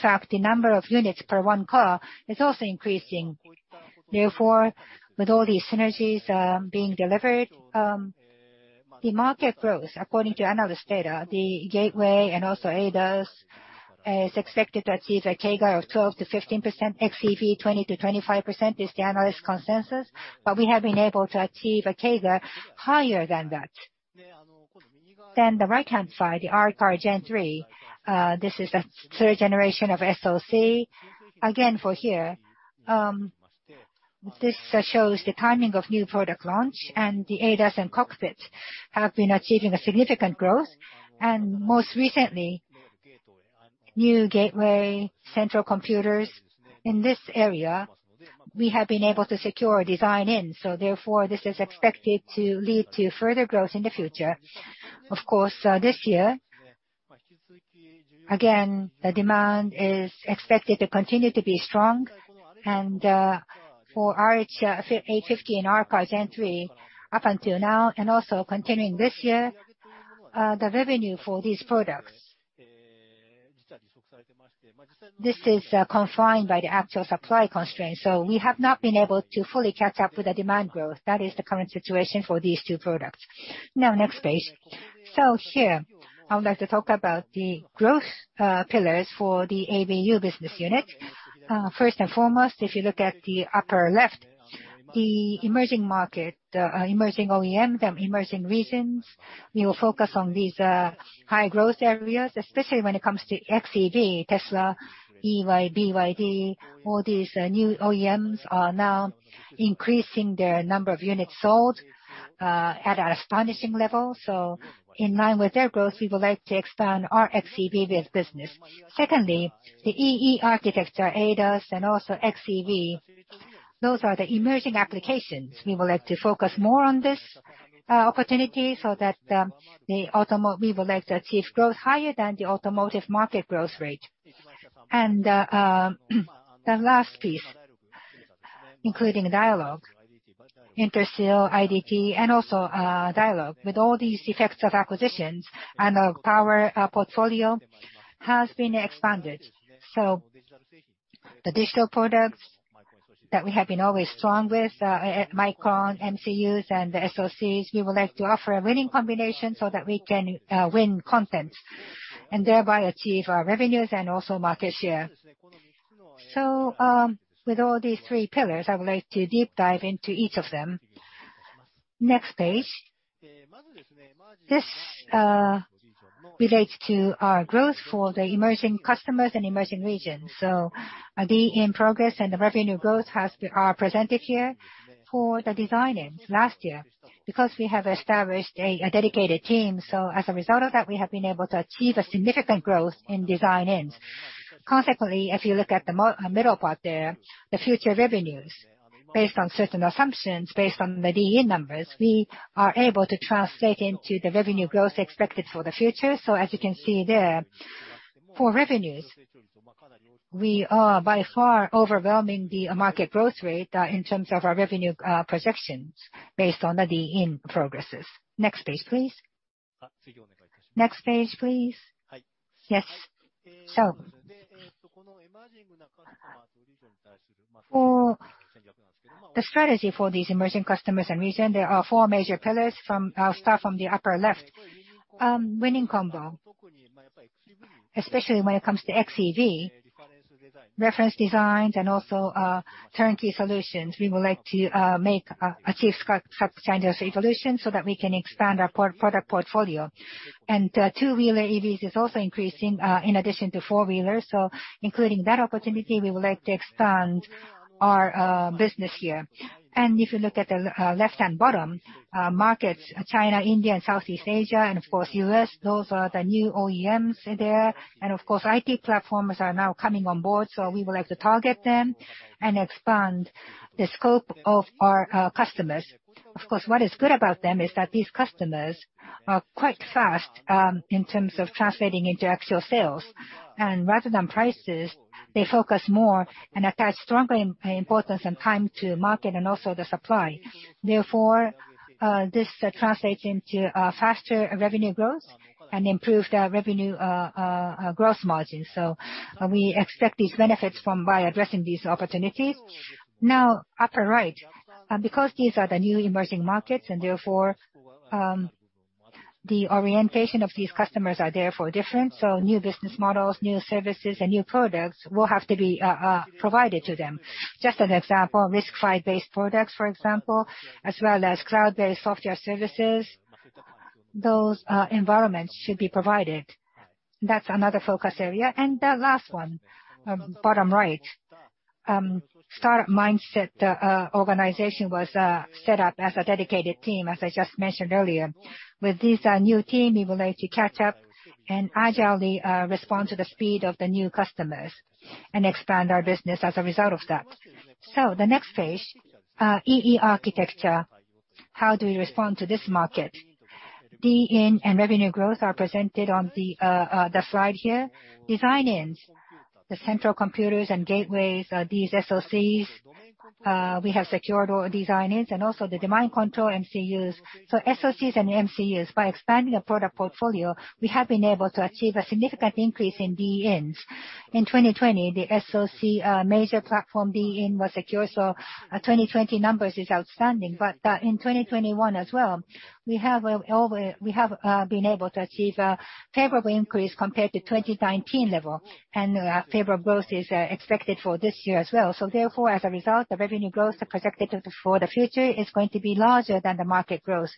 fact, the number of units per one car is also increasing. Therefore, with all these synergies, being delivered, the market growth, according to analyst data, the gateway and also ADAS, is expected to achieve a CAGR of 12%-15%. xEV, 20%-25% is the analyst consensus. We have been able to achieve a CAGR higher than that. The right-hand side, the R-Car Gen3, this is a third generation of SoC. This shows the timing of new product launch. The ADAS and cockpit have been achieving a significant growth. Most recently, new gateway, central computers. In this area, we have been able to secure design-in, so therefore, this is expected to lead to further growth in the future. Of course, this year, again, the demand is expected to continue to be strong and, for RH850 and R-Car Gen3 up until now and also continuing this year, the revenue for these products is constrained by the actual supply constraints, so we have not been able to fully catch up with the demand growth. That is the current situation for these two products. Next page. Here, I would like to talk about the growth pillars for the ABU business unit. First and foremost, if you look at the upper left, the emerging market, the emerging OEM, the emerging regions, we will focus on these high growth areas, especially when it comes to xEV, Tesla, EY, BYD, all these new OEMs are now increasing their number of units sold at an astonishing level. In line with their growth, we would like to expand our xEV business. Secondly, the E/E architecture, ADAS and also xEV, those are the emerging applications. We would like to focus more on this opportunity so that we would like to achieve growth higher than the automotive market growth rate. The last piece, including Dialog, Intersil, IDT. With all these effects of acquisitions and our power, our portfolio has been expanded. The digital products that we have been always strong with, including MCUs and the SoCs, we would like to offer a winning combination so that we can win content, and thereby achieve our revenues and also market share. With all these three pillars, I would like to deep dive into each of them. Next page. This relates to our growth for the emerging customers and emerging regions. The design-ins in progress and the revenue growth are presented here for the design-ins last year. Because we have established a dedicated team, as a result of that, we have been able to achieve a significant growth in design-ins. Consequently, if you look at the middle part there, the future revenues based on certain assumptions, based on the design-in numbers, we are able to translate into the revenue growth expected for the future. As you can see there, for revenues, we are by far overwhelming the market growth rate in terms of our revenue projections based on the design-in progresses. Next page, please. Yes. For the strategy for these emerging customers and region, there are four major pillars. I'll start from the upper left. Winning Combinations, especially when it comes to xEV, reference designs and also turnkey solutions, we would like to make achieve substantial solutions so that we can expand our product portfolio. Two-wheeler EVs is also increasing in addition to four-wheelers. Including that opportunity, we would like to expand our business here. If you look at the left-hand bottom markets, China, India, and Southeast Asia, and of course U.S., those are the new OEMs there. Of course, IT platforms are now coming on board, so we would like to target them and expand the scope of our customers. Of course, what is good about them is that these customers are quite fast in terms of translating into actual sales. Rather than prices, they focus more and attach stronger importance and time to market and also the supply. Therefore, this translates into faster revenue growth and improved revenue growth margin. We expect these benefits by addressing these opportunities. Now, upper right. Because these are the new emerging markets and therefore, the orientation of these customers are therefore different. New business models, new services and new products will have to be provided to them. Just an example, RISC-V-based products, for example, as well as cloud-based software services, those environments should be provided. That's another focus area. The last one, bottom right. Startup mindset organization was set up as a dedicated team, as I just mentioned earlier. With this new team, we would like to catch up and agilely respond to the speed of the new customers and expand our business as a result of that. The next page, E/E architecture. How do we respond to this market? Demand and revenue growth are presented on the slide here. Design-ins, the central computers and gateways, these SoCs, we have secured all design-ins and also the domain control MCUs. SoCs and MCUs, by expanding the product portfolio, we have been able to achieve a significant increase in design-ins. In 2020, the SoC major platform design-in was secured, so 2020 numbers is outstanding. In 2021 as well, we have been able to achieve a favorable increase compared to 2019 level. Favorable growth is expected for this year as well. Therefore, as a result, the revenue growth, the perspective for the future is going to be larger than the market growth.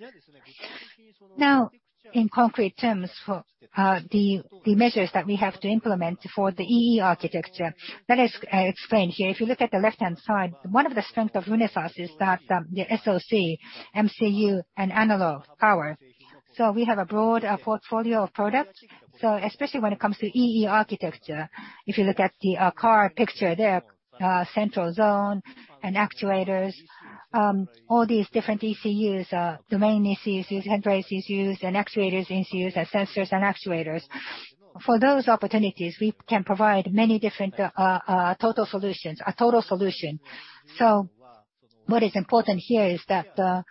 In concrete terms for the measures that we have to implement for the E/E architecture, let us explain here. If you look at the left-hand side, one of the strength of Renesas is that, the SoC, MCU, and analog power. We have a broad portfolio of products. Especially when it comes to E/E architecture, if you look at the car picture there, central zone and actuators, all these different ECUs, domain ECUs, head unit ECUs, and actuator ECUs, and sensors and actuators. For those opportunities, we can provide many different total solutions, a total solution. What is important here is that the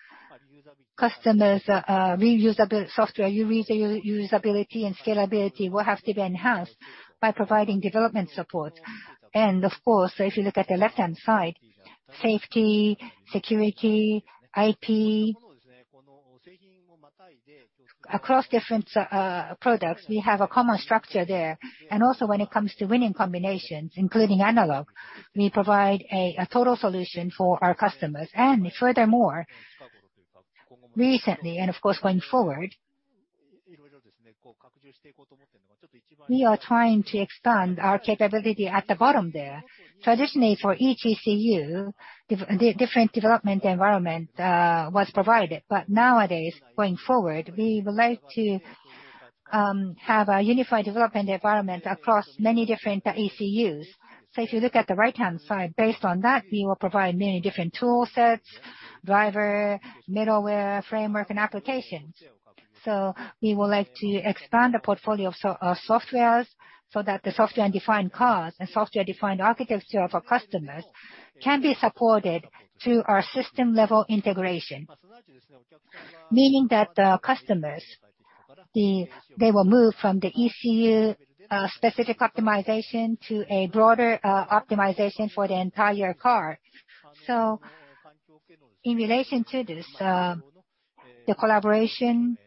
customers software usability and scalability will have to be enhanced by providing development support. Of course, if you look at the left-hand side, safety, security, IP across different products, we have a common structure there. Also when it comes to Winning Combinations, including analog, we provide a total solution for our customers. Furthermore, recently, and of course going forward, we are trying to expand our capability at the bottom there. Traditionally, for each ECU, different development environment was provided. Nowadays, going forward, we would like to have a unified development environment across many different ECUs. If you look at the right-hand side, based on that, we will provide many different tool sets, driver, middleware, framework, and applications. We would like to expand the portfolio of softwares so that the software-defined cars and software-defined architecture of our customers can be supported to our system-level integration. Meaning that, customers, they will move from the ECU specific optimization to a broader optimization for the entire car. In relation to this, the collaboration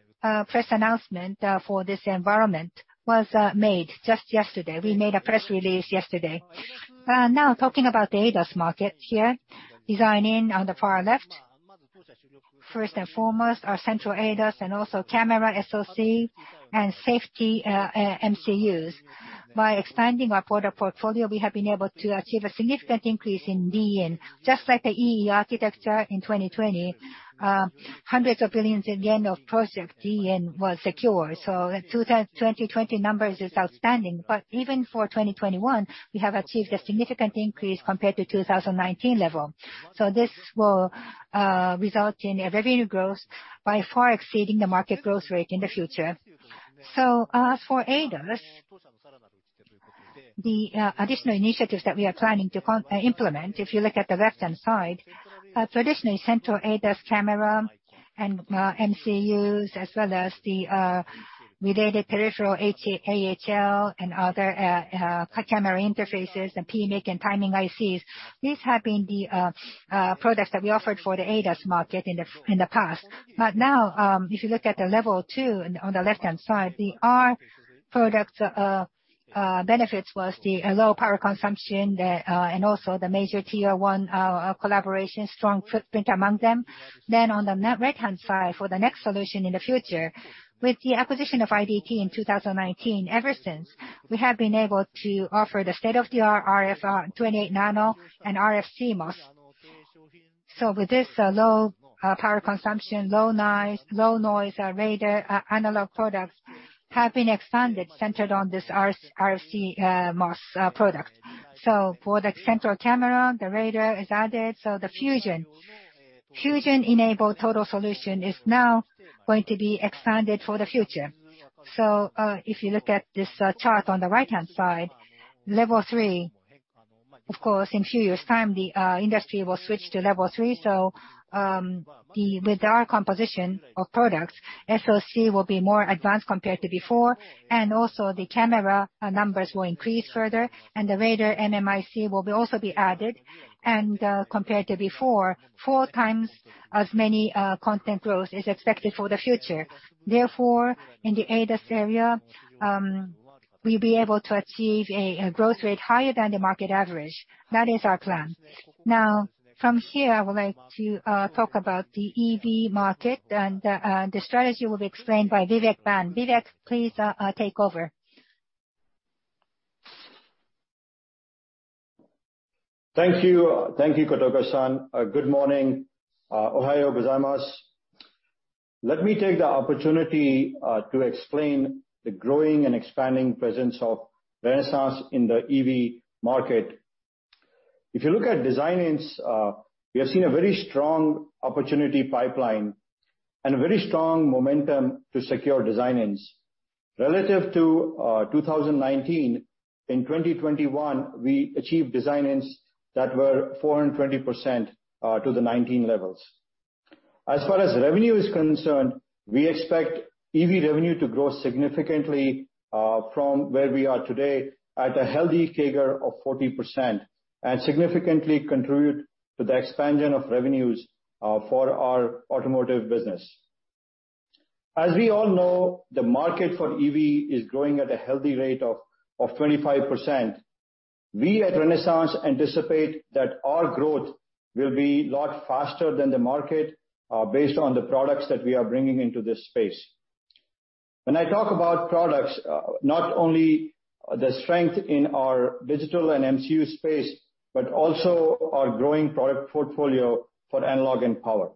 press announcement for this environment was made just yesterday. We made a press release yesterday. Now talking about the ADAS market here. Design-in on the far left. First and foremost, our central ADAS and also camera SoC and safety MCUs. By expanding our product portfolio, we have been able to achieve a significant increase in design-in. Just like the E/E architecture in 2020, JPY hundreds of billions in the end of project design-in was secured. The 2020 numbers is outstanding. But even for 2021, we have achieved a significant increase compared to 2019 level. This will result in a revenue growth by far exceeding the market growth rate in the future. For ADAS, the additional initiatives that we are planning to implement, if you look at the left-hand side. Traditionally, central ADAS camera and MCUs, as well as the related peripheral AHL and other camera interfaces and PMIC and timing ICs, these have been the products that we offered for the ADAS market in the past. If you look at the Level 2 on the left-hand side, our product benefits was the low power consumption, and also the major tier one collaboration, strong footprint among them. On the right-hand side, for the next solution in the future, with the acquisition of IDT in 2019, ever since, we have been able to offer the state-of-the-art RF 28 nm and RFCMOS. With this, low power consumption, low noise radar analog products have been expanded centered on this RF CMOS product. For the central camera, the radar is added. The fusion-enabled total solution is now going to be expanded for the future. If you look at this chart on the right-hand side, Level 3, of course, in few years' time, the industry will switch to Level 3. With our composition of products, SoC will be more advanced compared to before, and also the camera numbers will increase further, and the radar MMIC will be added. Compared to before, four times as many content growth is expected for the future. Therefore, in the ADAS area, we'll be able to achieve a growth rate higher than the market average. That is our plan. Now, from here, I would like to talk about the EV market, and the strategy will be explained by Vivek Bhan. Vivek, please, take over. Thank you. Thank you, Kataoka-san. Good morning. Ohayō gozaimasu. Let me take the opportunity to explain the growing and expanding presence of Renesas in the EV market. If you look at design-ins, we have seen a very strong opportunity pipeline and a very strong momentum to secure design-ins. Relative to 2019, in 2021, we achieved design-ins that were 420% to the 2019 levels. As far as revenue is concerned, we expect EV revenue to grow significantly from where we are today at a healthy CAGR of 40%, and significantly contribute to the expansion of revenues for our automotive business. As we all know, the market for EV is growing at a healthy rate of 25%. We at Renesas anticipate that our growth will be a lot faster than the market, based on the products that we are bringing into this space. When I talk about products, not only the strength in our digital and MCU space, but also our growing product portfolio for analog and power.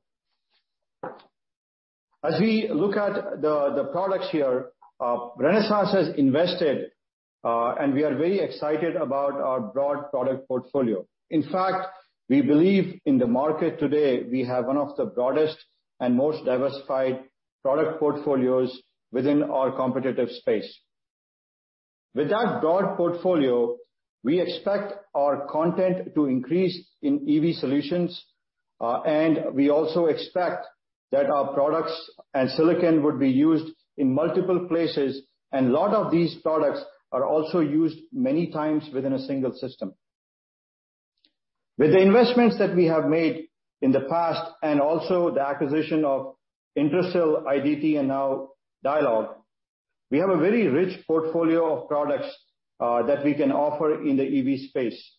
As we look at the products here, Renesas has invested, and we are very excited about our broad product portfolio. In fact, we believe in the market today we have one of the broadest and most diversified product portfolios within our competitive space. With that broad portfolio, we expect our content to increase in EV solutions, and we also expect that our products and silicon would be used in multiple places, and a lot of these products are also used many times within a single system. With the investments that we have made in the past and also the acquisition of Intersil, IDT, and now Dialog, we have a very rich portfolio of products, that we can offer in the EV space,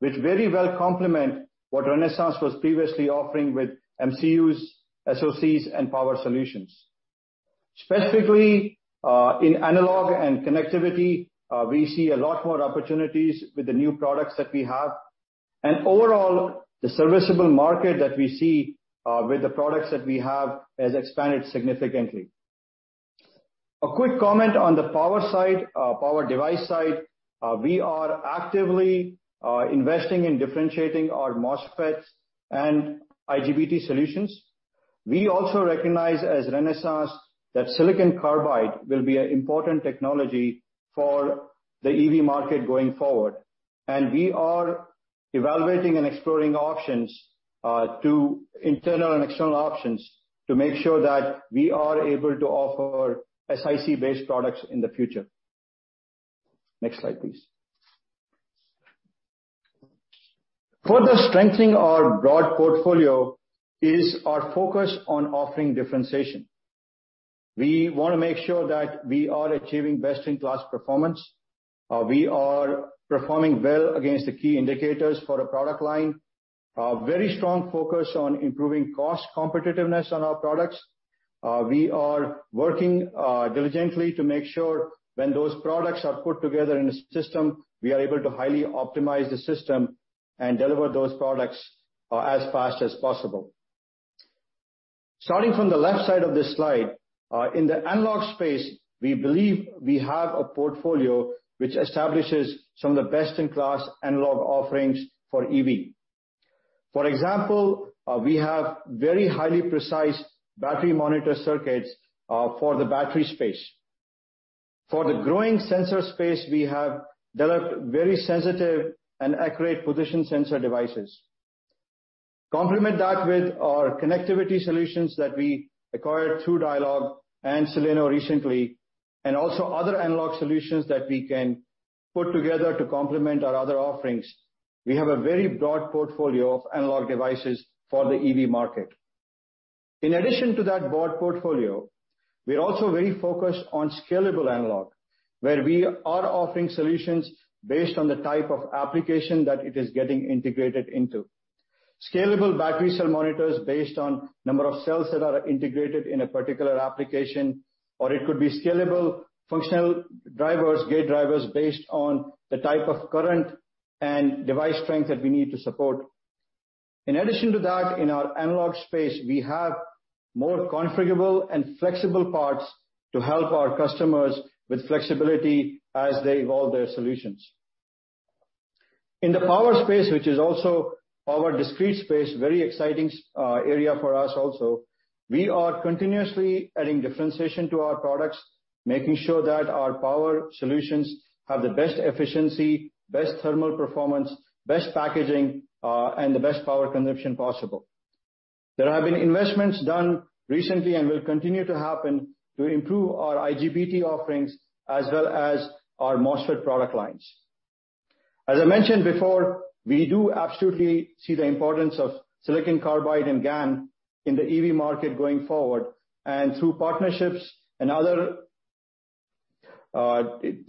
which very well complement what Renesas was previously offering with MCUs, SoCs, and power solutions. Specifically, in analog and connectivity, we see a lot more opportunities with the new products that we have. Overall, the serviceable market that we see with the products that we have has expanded significantly. A quick comment on the power side, power device side. We are actively investing in differentiating our MOSFETs and IGBT solutions. We also recognize as Renesas that silicon carbide will be an important technology for the EV market going forward, and we are evaluating and exploring options to internal and external options to make sure that we are able to offer SiC-based products in the future. Next slide, please. Further strengthening our broad portfolio is our focus on offering differentiation. We wanna make sure that we are achieving best-in-class performance. We are performing well against the key indicators for a product line. A very strong focus on improving cost competitiveness on our products. We are working diligently to make sure when those products are put together in a system, we are able to highly optimize the system and deliver those products as fast as possible. Starting from the left side of this slide, in the analog space, we believe we have a portfolio which establishes some of the best-in-class analog offerings for EV. For example, we have very highly precise battery monitor circuits for the battery space. For the growing sensor space, we have developed very sensitive and accurate position sensor devices. Complement that with our connectivity solutions that we acquired through Dialog and Celeno recently, and also other analog solutions that we can put together to complement our other offerings. We have a very broad portfolio of analog devices for the EV market. In addition to that broad portfolio, we're also very focused on scalable analog, where we are offering solutions based on the type of application that it is getting integrated into. Scalable battery cell monitors based on number of cells that are integrated in a particular application, or it could be scalable functional drivers, gate drivers based on the type of current and device strength that we need to support. In addition to that, in our analog space, we have more configurable and flexible parts to help our customers with flexibility as they evolve their solutions. In the power space, which is also our discrete space, very exciting area for us also, we are continuously adding differentiation to our products, making sure that our power solutions have the best efficiency, best thermal performance, best packaging, and the best power consumption possible. There have been investments done recently and will continue to happen to improve our IGBT offerings as well as our MOSFET product lines. As I mentioned before, we do absolutely see the importance of silicon carbide and GaN in the EV market going forward. Through partnerships and other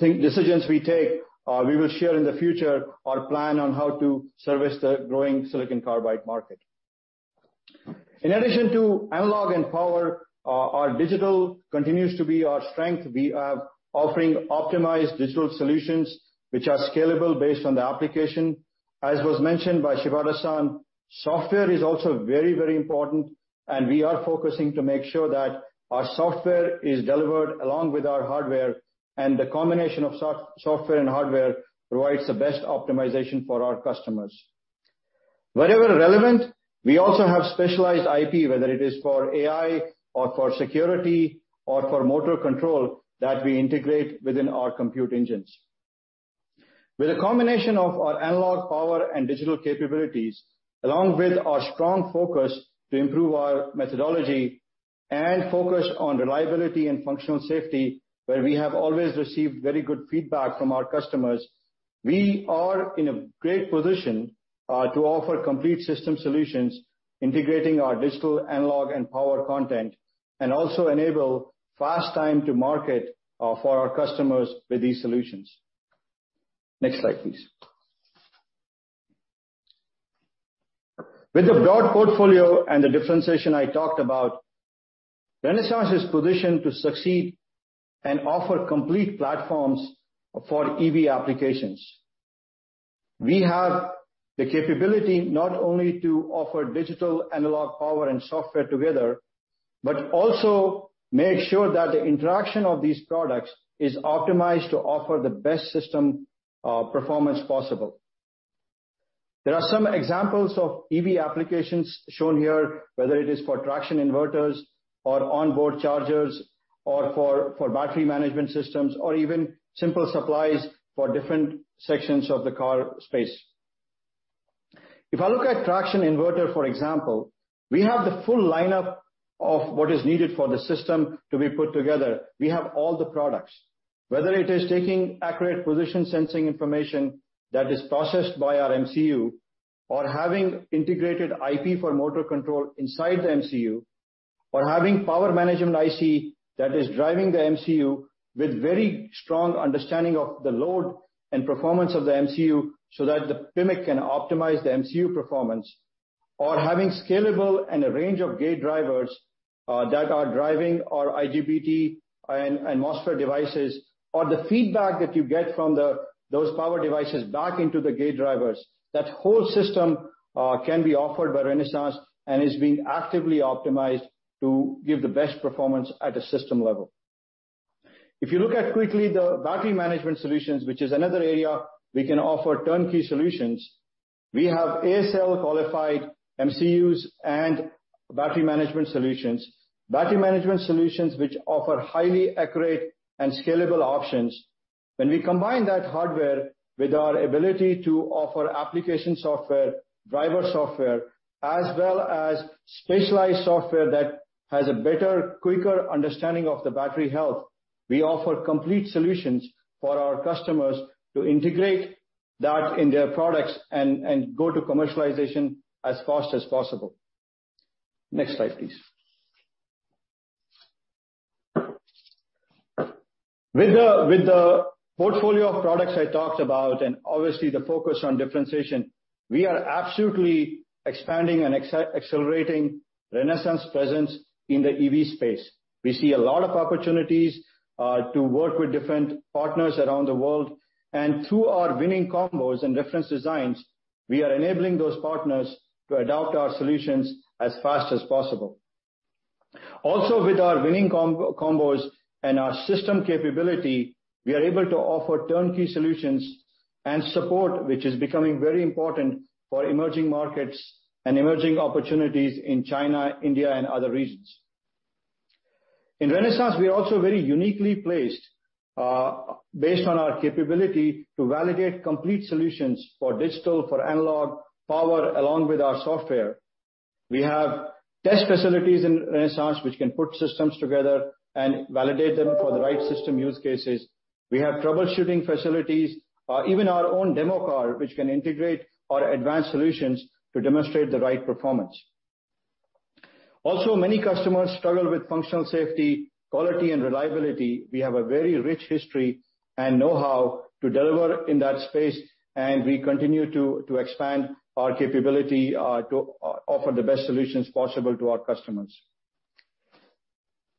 decisions we take, we will share in the future our plan on how to service the growing silicon carbide market. In addition to analog and power, our digital continues to be our strength. We are offering optimized digital solutions which are scalable based on the application. As was mentioned by Shibata, software is also very important, and we are focusing to make sure that our software is delivered along with our hardware, and the combination of software and hardware provides the best optimization for our customers. Wherever relevant, we also have specialized IP, whether it is for AI or for security or for motor control that we integrate within our compute engines. With a combination of our analog power and digital capabilities, along with our strong focus to improve our methodology and focus on reliability and functional safety, where we have always received very good feedback from our customers, we are in a great position to offer complete system solutions integrating our digital analog and power content. Also enable fast time to market for our customers with these solutions. Next slide, please. With the broad portfolio and the differentiation I talked about, Renesas is positioned to succeed and offer complete platforms for EV applications. We have the capability not only to offer digital, analog power and software together, but also make sure that the interaction of these products is optimized to offer the best system performance possible. There are some examples of EV applications shown here, whether it is for traction inverters or onboard chargers or for battery management systems or even simple supplies for different sections of the car space. If I look at traction inverter, for example, we have the full lineup of what is needed for the system to be put together. We have all the products. Whether it is taking accurate position sensing information that is processed by our MCU or having integrated IP for motor control inside the MCU, or having power management IC that is driving the MCU with very strong understanding of the load and performance of the MCU so that the PMIC can optimize the MCU performance. Or having scalable and a range of gate drivers that are driving our IGBT and MOSFET devices. The feedback that you get from those power devices back into the gate drivers. That whole system can be offered by Renesas and is being actively optimized to give the best performance at a system level. If you look at quickly the battery management solutions, which is another area we can offer turnkey solutions, we have ASIL qualified MCUs and battery management solutions. Battery management solutions which offer highly accurate and scalable options. When we combine that hardware with our ability to offer application software, driver software, as well as specialized software that has a better, quicker understanding of the battery health, we offer complete solutions for our customers to integrate that in their products and go to commercialization as fast as possible. Next slide, please. With the portfolio of products I talked about, and obviously the focus on differentiation, we are absolutely expanding and accelerating Renesas' presence in the EV space. We see a lot of opportunities to work with different partners around the world, and through our winning combos and reference designs, we are enabling those partners to adopt our solutions as fast as possible. Also with our winning combos and our system capability, we are able to offer turnkey solutions and support, which is becoming very important for emerging markets and emerging opportunities in China, India and other regions. In Renesas we are also very uniquely placed, based on our capability to validate complete solutions for digital, for analog power, along with our software. We have test facilities in Renesas which can put systems together and validate them for the right system use cases. We have troubleshooting facilities, even our own demo car, which can integrate our advanced solutions to demonstrate the right performance. Also, many customers struggle with functional safety, quality and reliability. We have a very rich history and know-how to deliver in that space, and we continue to expand our capability to offer the best solutions possible to our customers.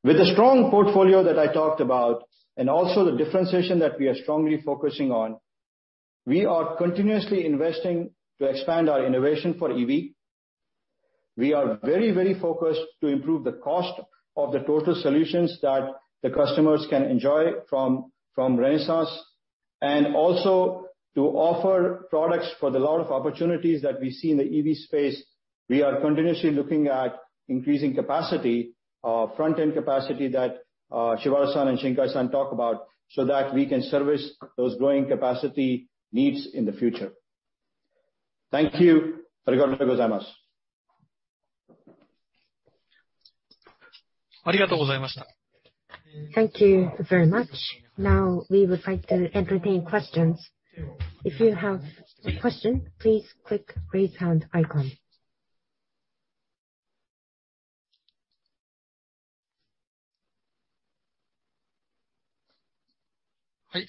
With the strong portfolio that I talked about and also the differentiation that we are strongly focusing on, we are continuously investing to expand our innovation for EV. We are very focused to improve the cost of the total solutions that the customers can enjoy from Renesas. Also to offer products for a lot of opportunities that we see in the EV space. We are continuously looking at increasing capacity, front-end capacity that Hidetoshi Shibata and Shuhei Shinkai-san talk about, so that we can service those growing capacity needs in the future. Thank you. Thank you very much. Now we would like to entertain questions. If you have a question, please click raise hand icon. Hi.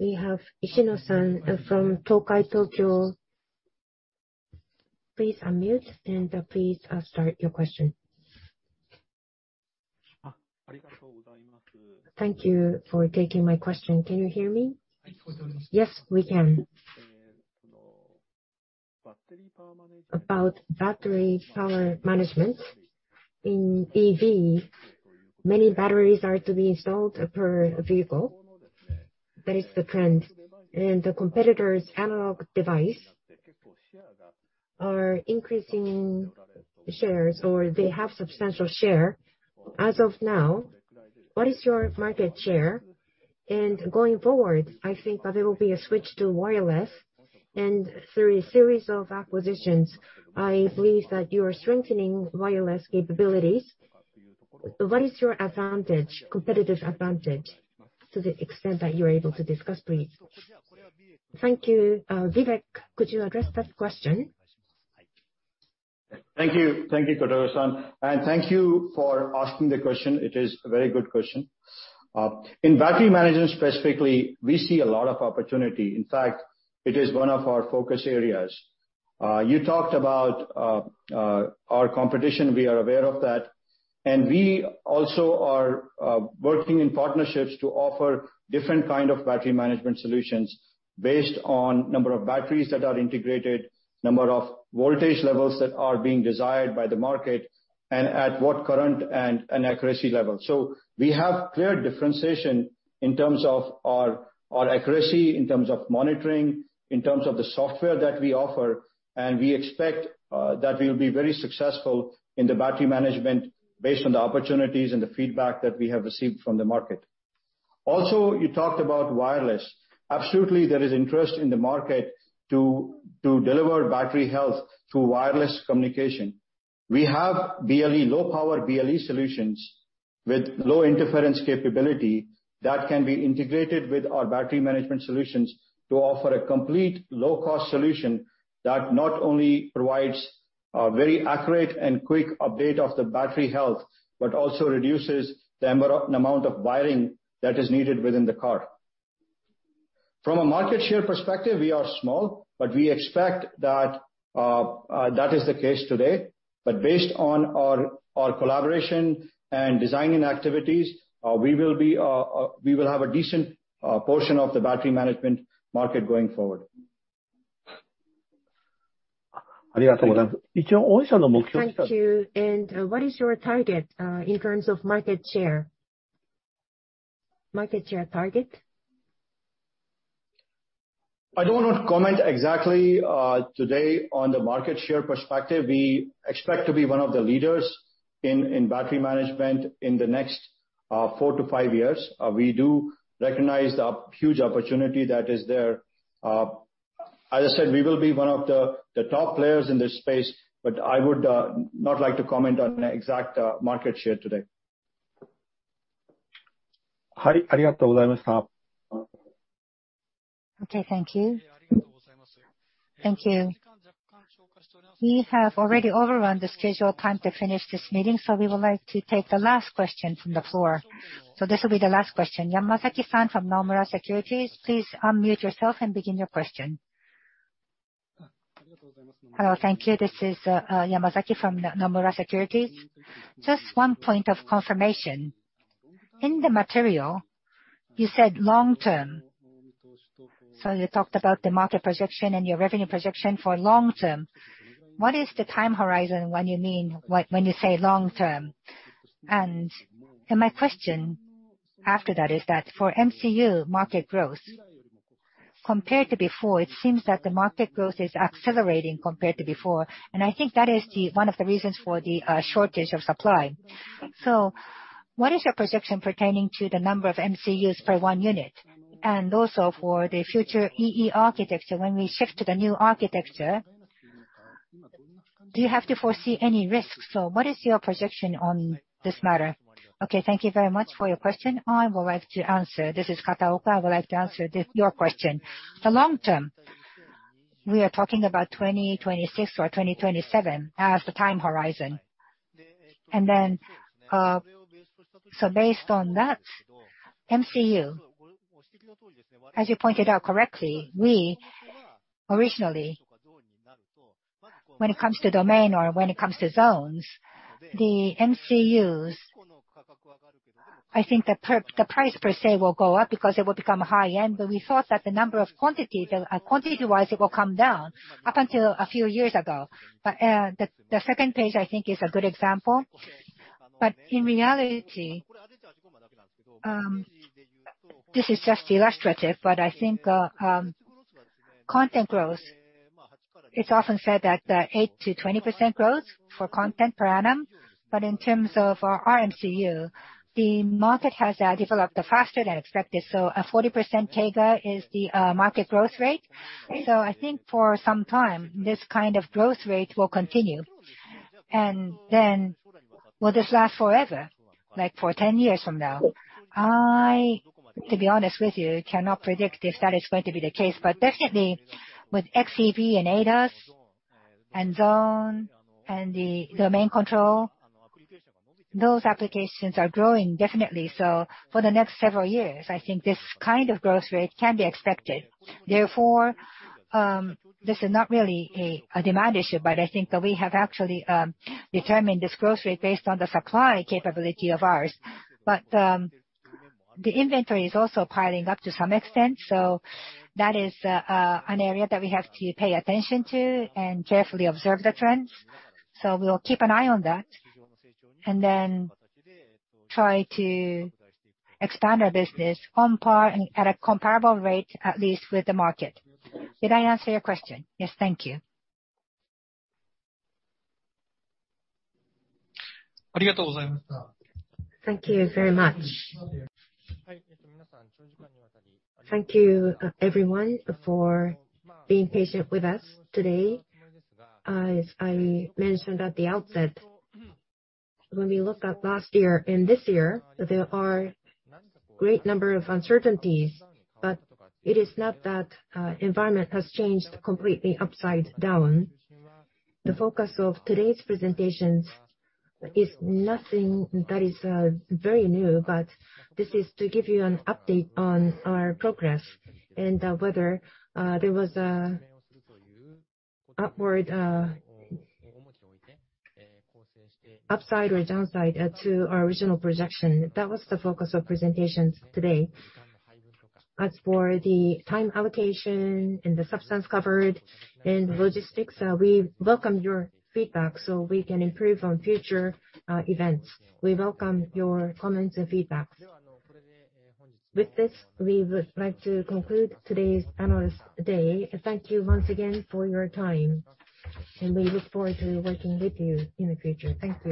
We have Ishino-san from Tokai Tokyo. Please unmute and please start your question. Thank you for taking my question. Can you hear me? Yes, we can. About battery power management. In EV, many batteries are to be installed per vehicle. That is the trend. The competitor's Analog Devices are increasing shares, or they have substantial share. As of now, what is your market share? Going forward, I think that there will be a switch to wireless. Through a series of acquisitions, I believe that you are strengthening wireless capabilities. What is your advantage, competitive advantage, to the extent that you're able to discuss, please? Thank you. Vivek, could you address that question? Thank you. Thank you, Kataoka-san. Thank you for asking the question, it is a very good question. In battery management specifically, we see a lot of opportunity. In fact, it is one of our focus areas. You talked about our competition, we are aware of that. We also are working in partnerships to offer different kind of battery management solutions based on number of batteries that are integrated, number of voltage levels that are being desired by the market, and at what current and accuracy level. We have clear differentiation in terms of our accuracy, in terms of monitoring, in terms of the software that we offer, and we expect that we'll be very successful in the battery management based on the opportunities and the feedback that we have received from the market. Also, you talked about wireless. Absolutely there is interest in the market to deliver battery health through wireless communication. We have BLE, low power BLE solutions with low interference capability that can be integrated with our battery management solutions to offer a complete low-cost solution that not only provides a very accurate and quick update of the battery health, but also reduces the amount of wiring that is needed within the car. From a market share perspective, we are small, but we expect that is the case today. Based on our collaboration and designing activities, we will have a decent portion of the battery management market going forward. Thank you. What is your target in terms of market share? Market share target? I don't want to comment exactly today on the market share perspective. We expect to be one of the leaders in battery management in the next four to five years. We do recognize the huge opportunity that is there. As I said, we will be one of the top players in this space, but I would not like to comment on the exact market share today. Okay, thank you. Thank you. We have already overrun the scheduled time to finish this meeting, so we would like to take the last question from the floor. This will be the last question. Yamazaki-san from Nomura Securities, please unmute yourself and begin your question. Hello, thank you. This is Yamazaki from Nomura Securities. Just one point of confirmation. In the material, you said long-term. You talked about the market projection and your revenue projection for long-term. What is the time horizon when you mean when you say long-term? My question after that is that for MCU market growth, compared to before, it seems that the market growth is accelerating compared to before. I think that is one of the reasons for the shortage of supply. What is your projection pertaining to the number of MCUs per one unit, and also for the future E/E architecture when we shift to the new architecture, do you have to foresee any risks? What is your projection on this matter? Okay, thank you very much for your question. I would like to answer. This is Kataoka. I would like to answer your question. The long-term, we are talking about 2026 or 2027 as the time horizon. Based on that, MCU, as you pointed out correctly, we originally, when it comes to domain or when it comes to zones, the MCUs, I think the price per se will go up because it will become high-end. We thought that the number, quantity-wise it will come down up until a few years ago. The second page I think is a good example. In reality, this is just illustrative, but I think content growth. It's often said that 8%-20% growth for content per annum. In terms of our MCU, the market has developed faster than expected. A 40% CAGR is the market growth rate. I think for some time this kind of growth rate will continue. Then will this last forever, like for 10 years from now? I, to be honest with you, cannot predict if that is going to be the case. Definitely with xEV and ADAS and zone and the domain control, those applications are growing definitely. For the next several years, I think this kind of growth rate can be expected. Therefore, this is not really a demand issue, but I think that we have actually determined this growth rate based on the supply capability of ours. The inventory is also piling up to some extent, so that is an area that we have to pay attention to and carefully observe the trends. We will keep an eye on that and then try to expand our business at a comparable rate, at least with the market. Did I answer your question? Yes. Thank you. Thank you very much. Thank you, everyone for being patient with us today. As I mentioned at the outset, when we look at last year and this year, there are a great number of uncertainties. It is not that the environment has changed completely upside down. The focus of today's presentations is nothing that is very new, but this is to give you an update on our progress and whether there was upside or downside to our original projection. That was the focus of presentations today. As for the time allocation and the substance covered and logistics, we welcome your feedback so we can improve on future events. We welcome your comments and feedback. With this, we would like to conclude today's Analyst Day. Thank you once again for your time, and we look forward to working with you in the future. Thank you.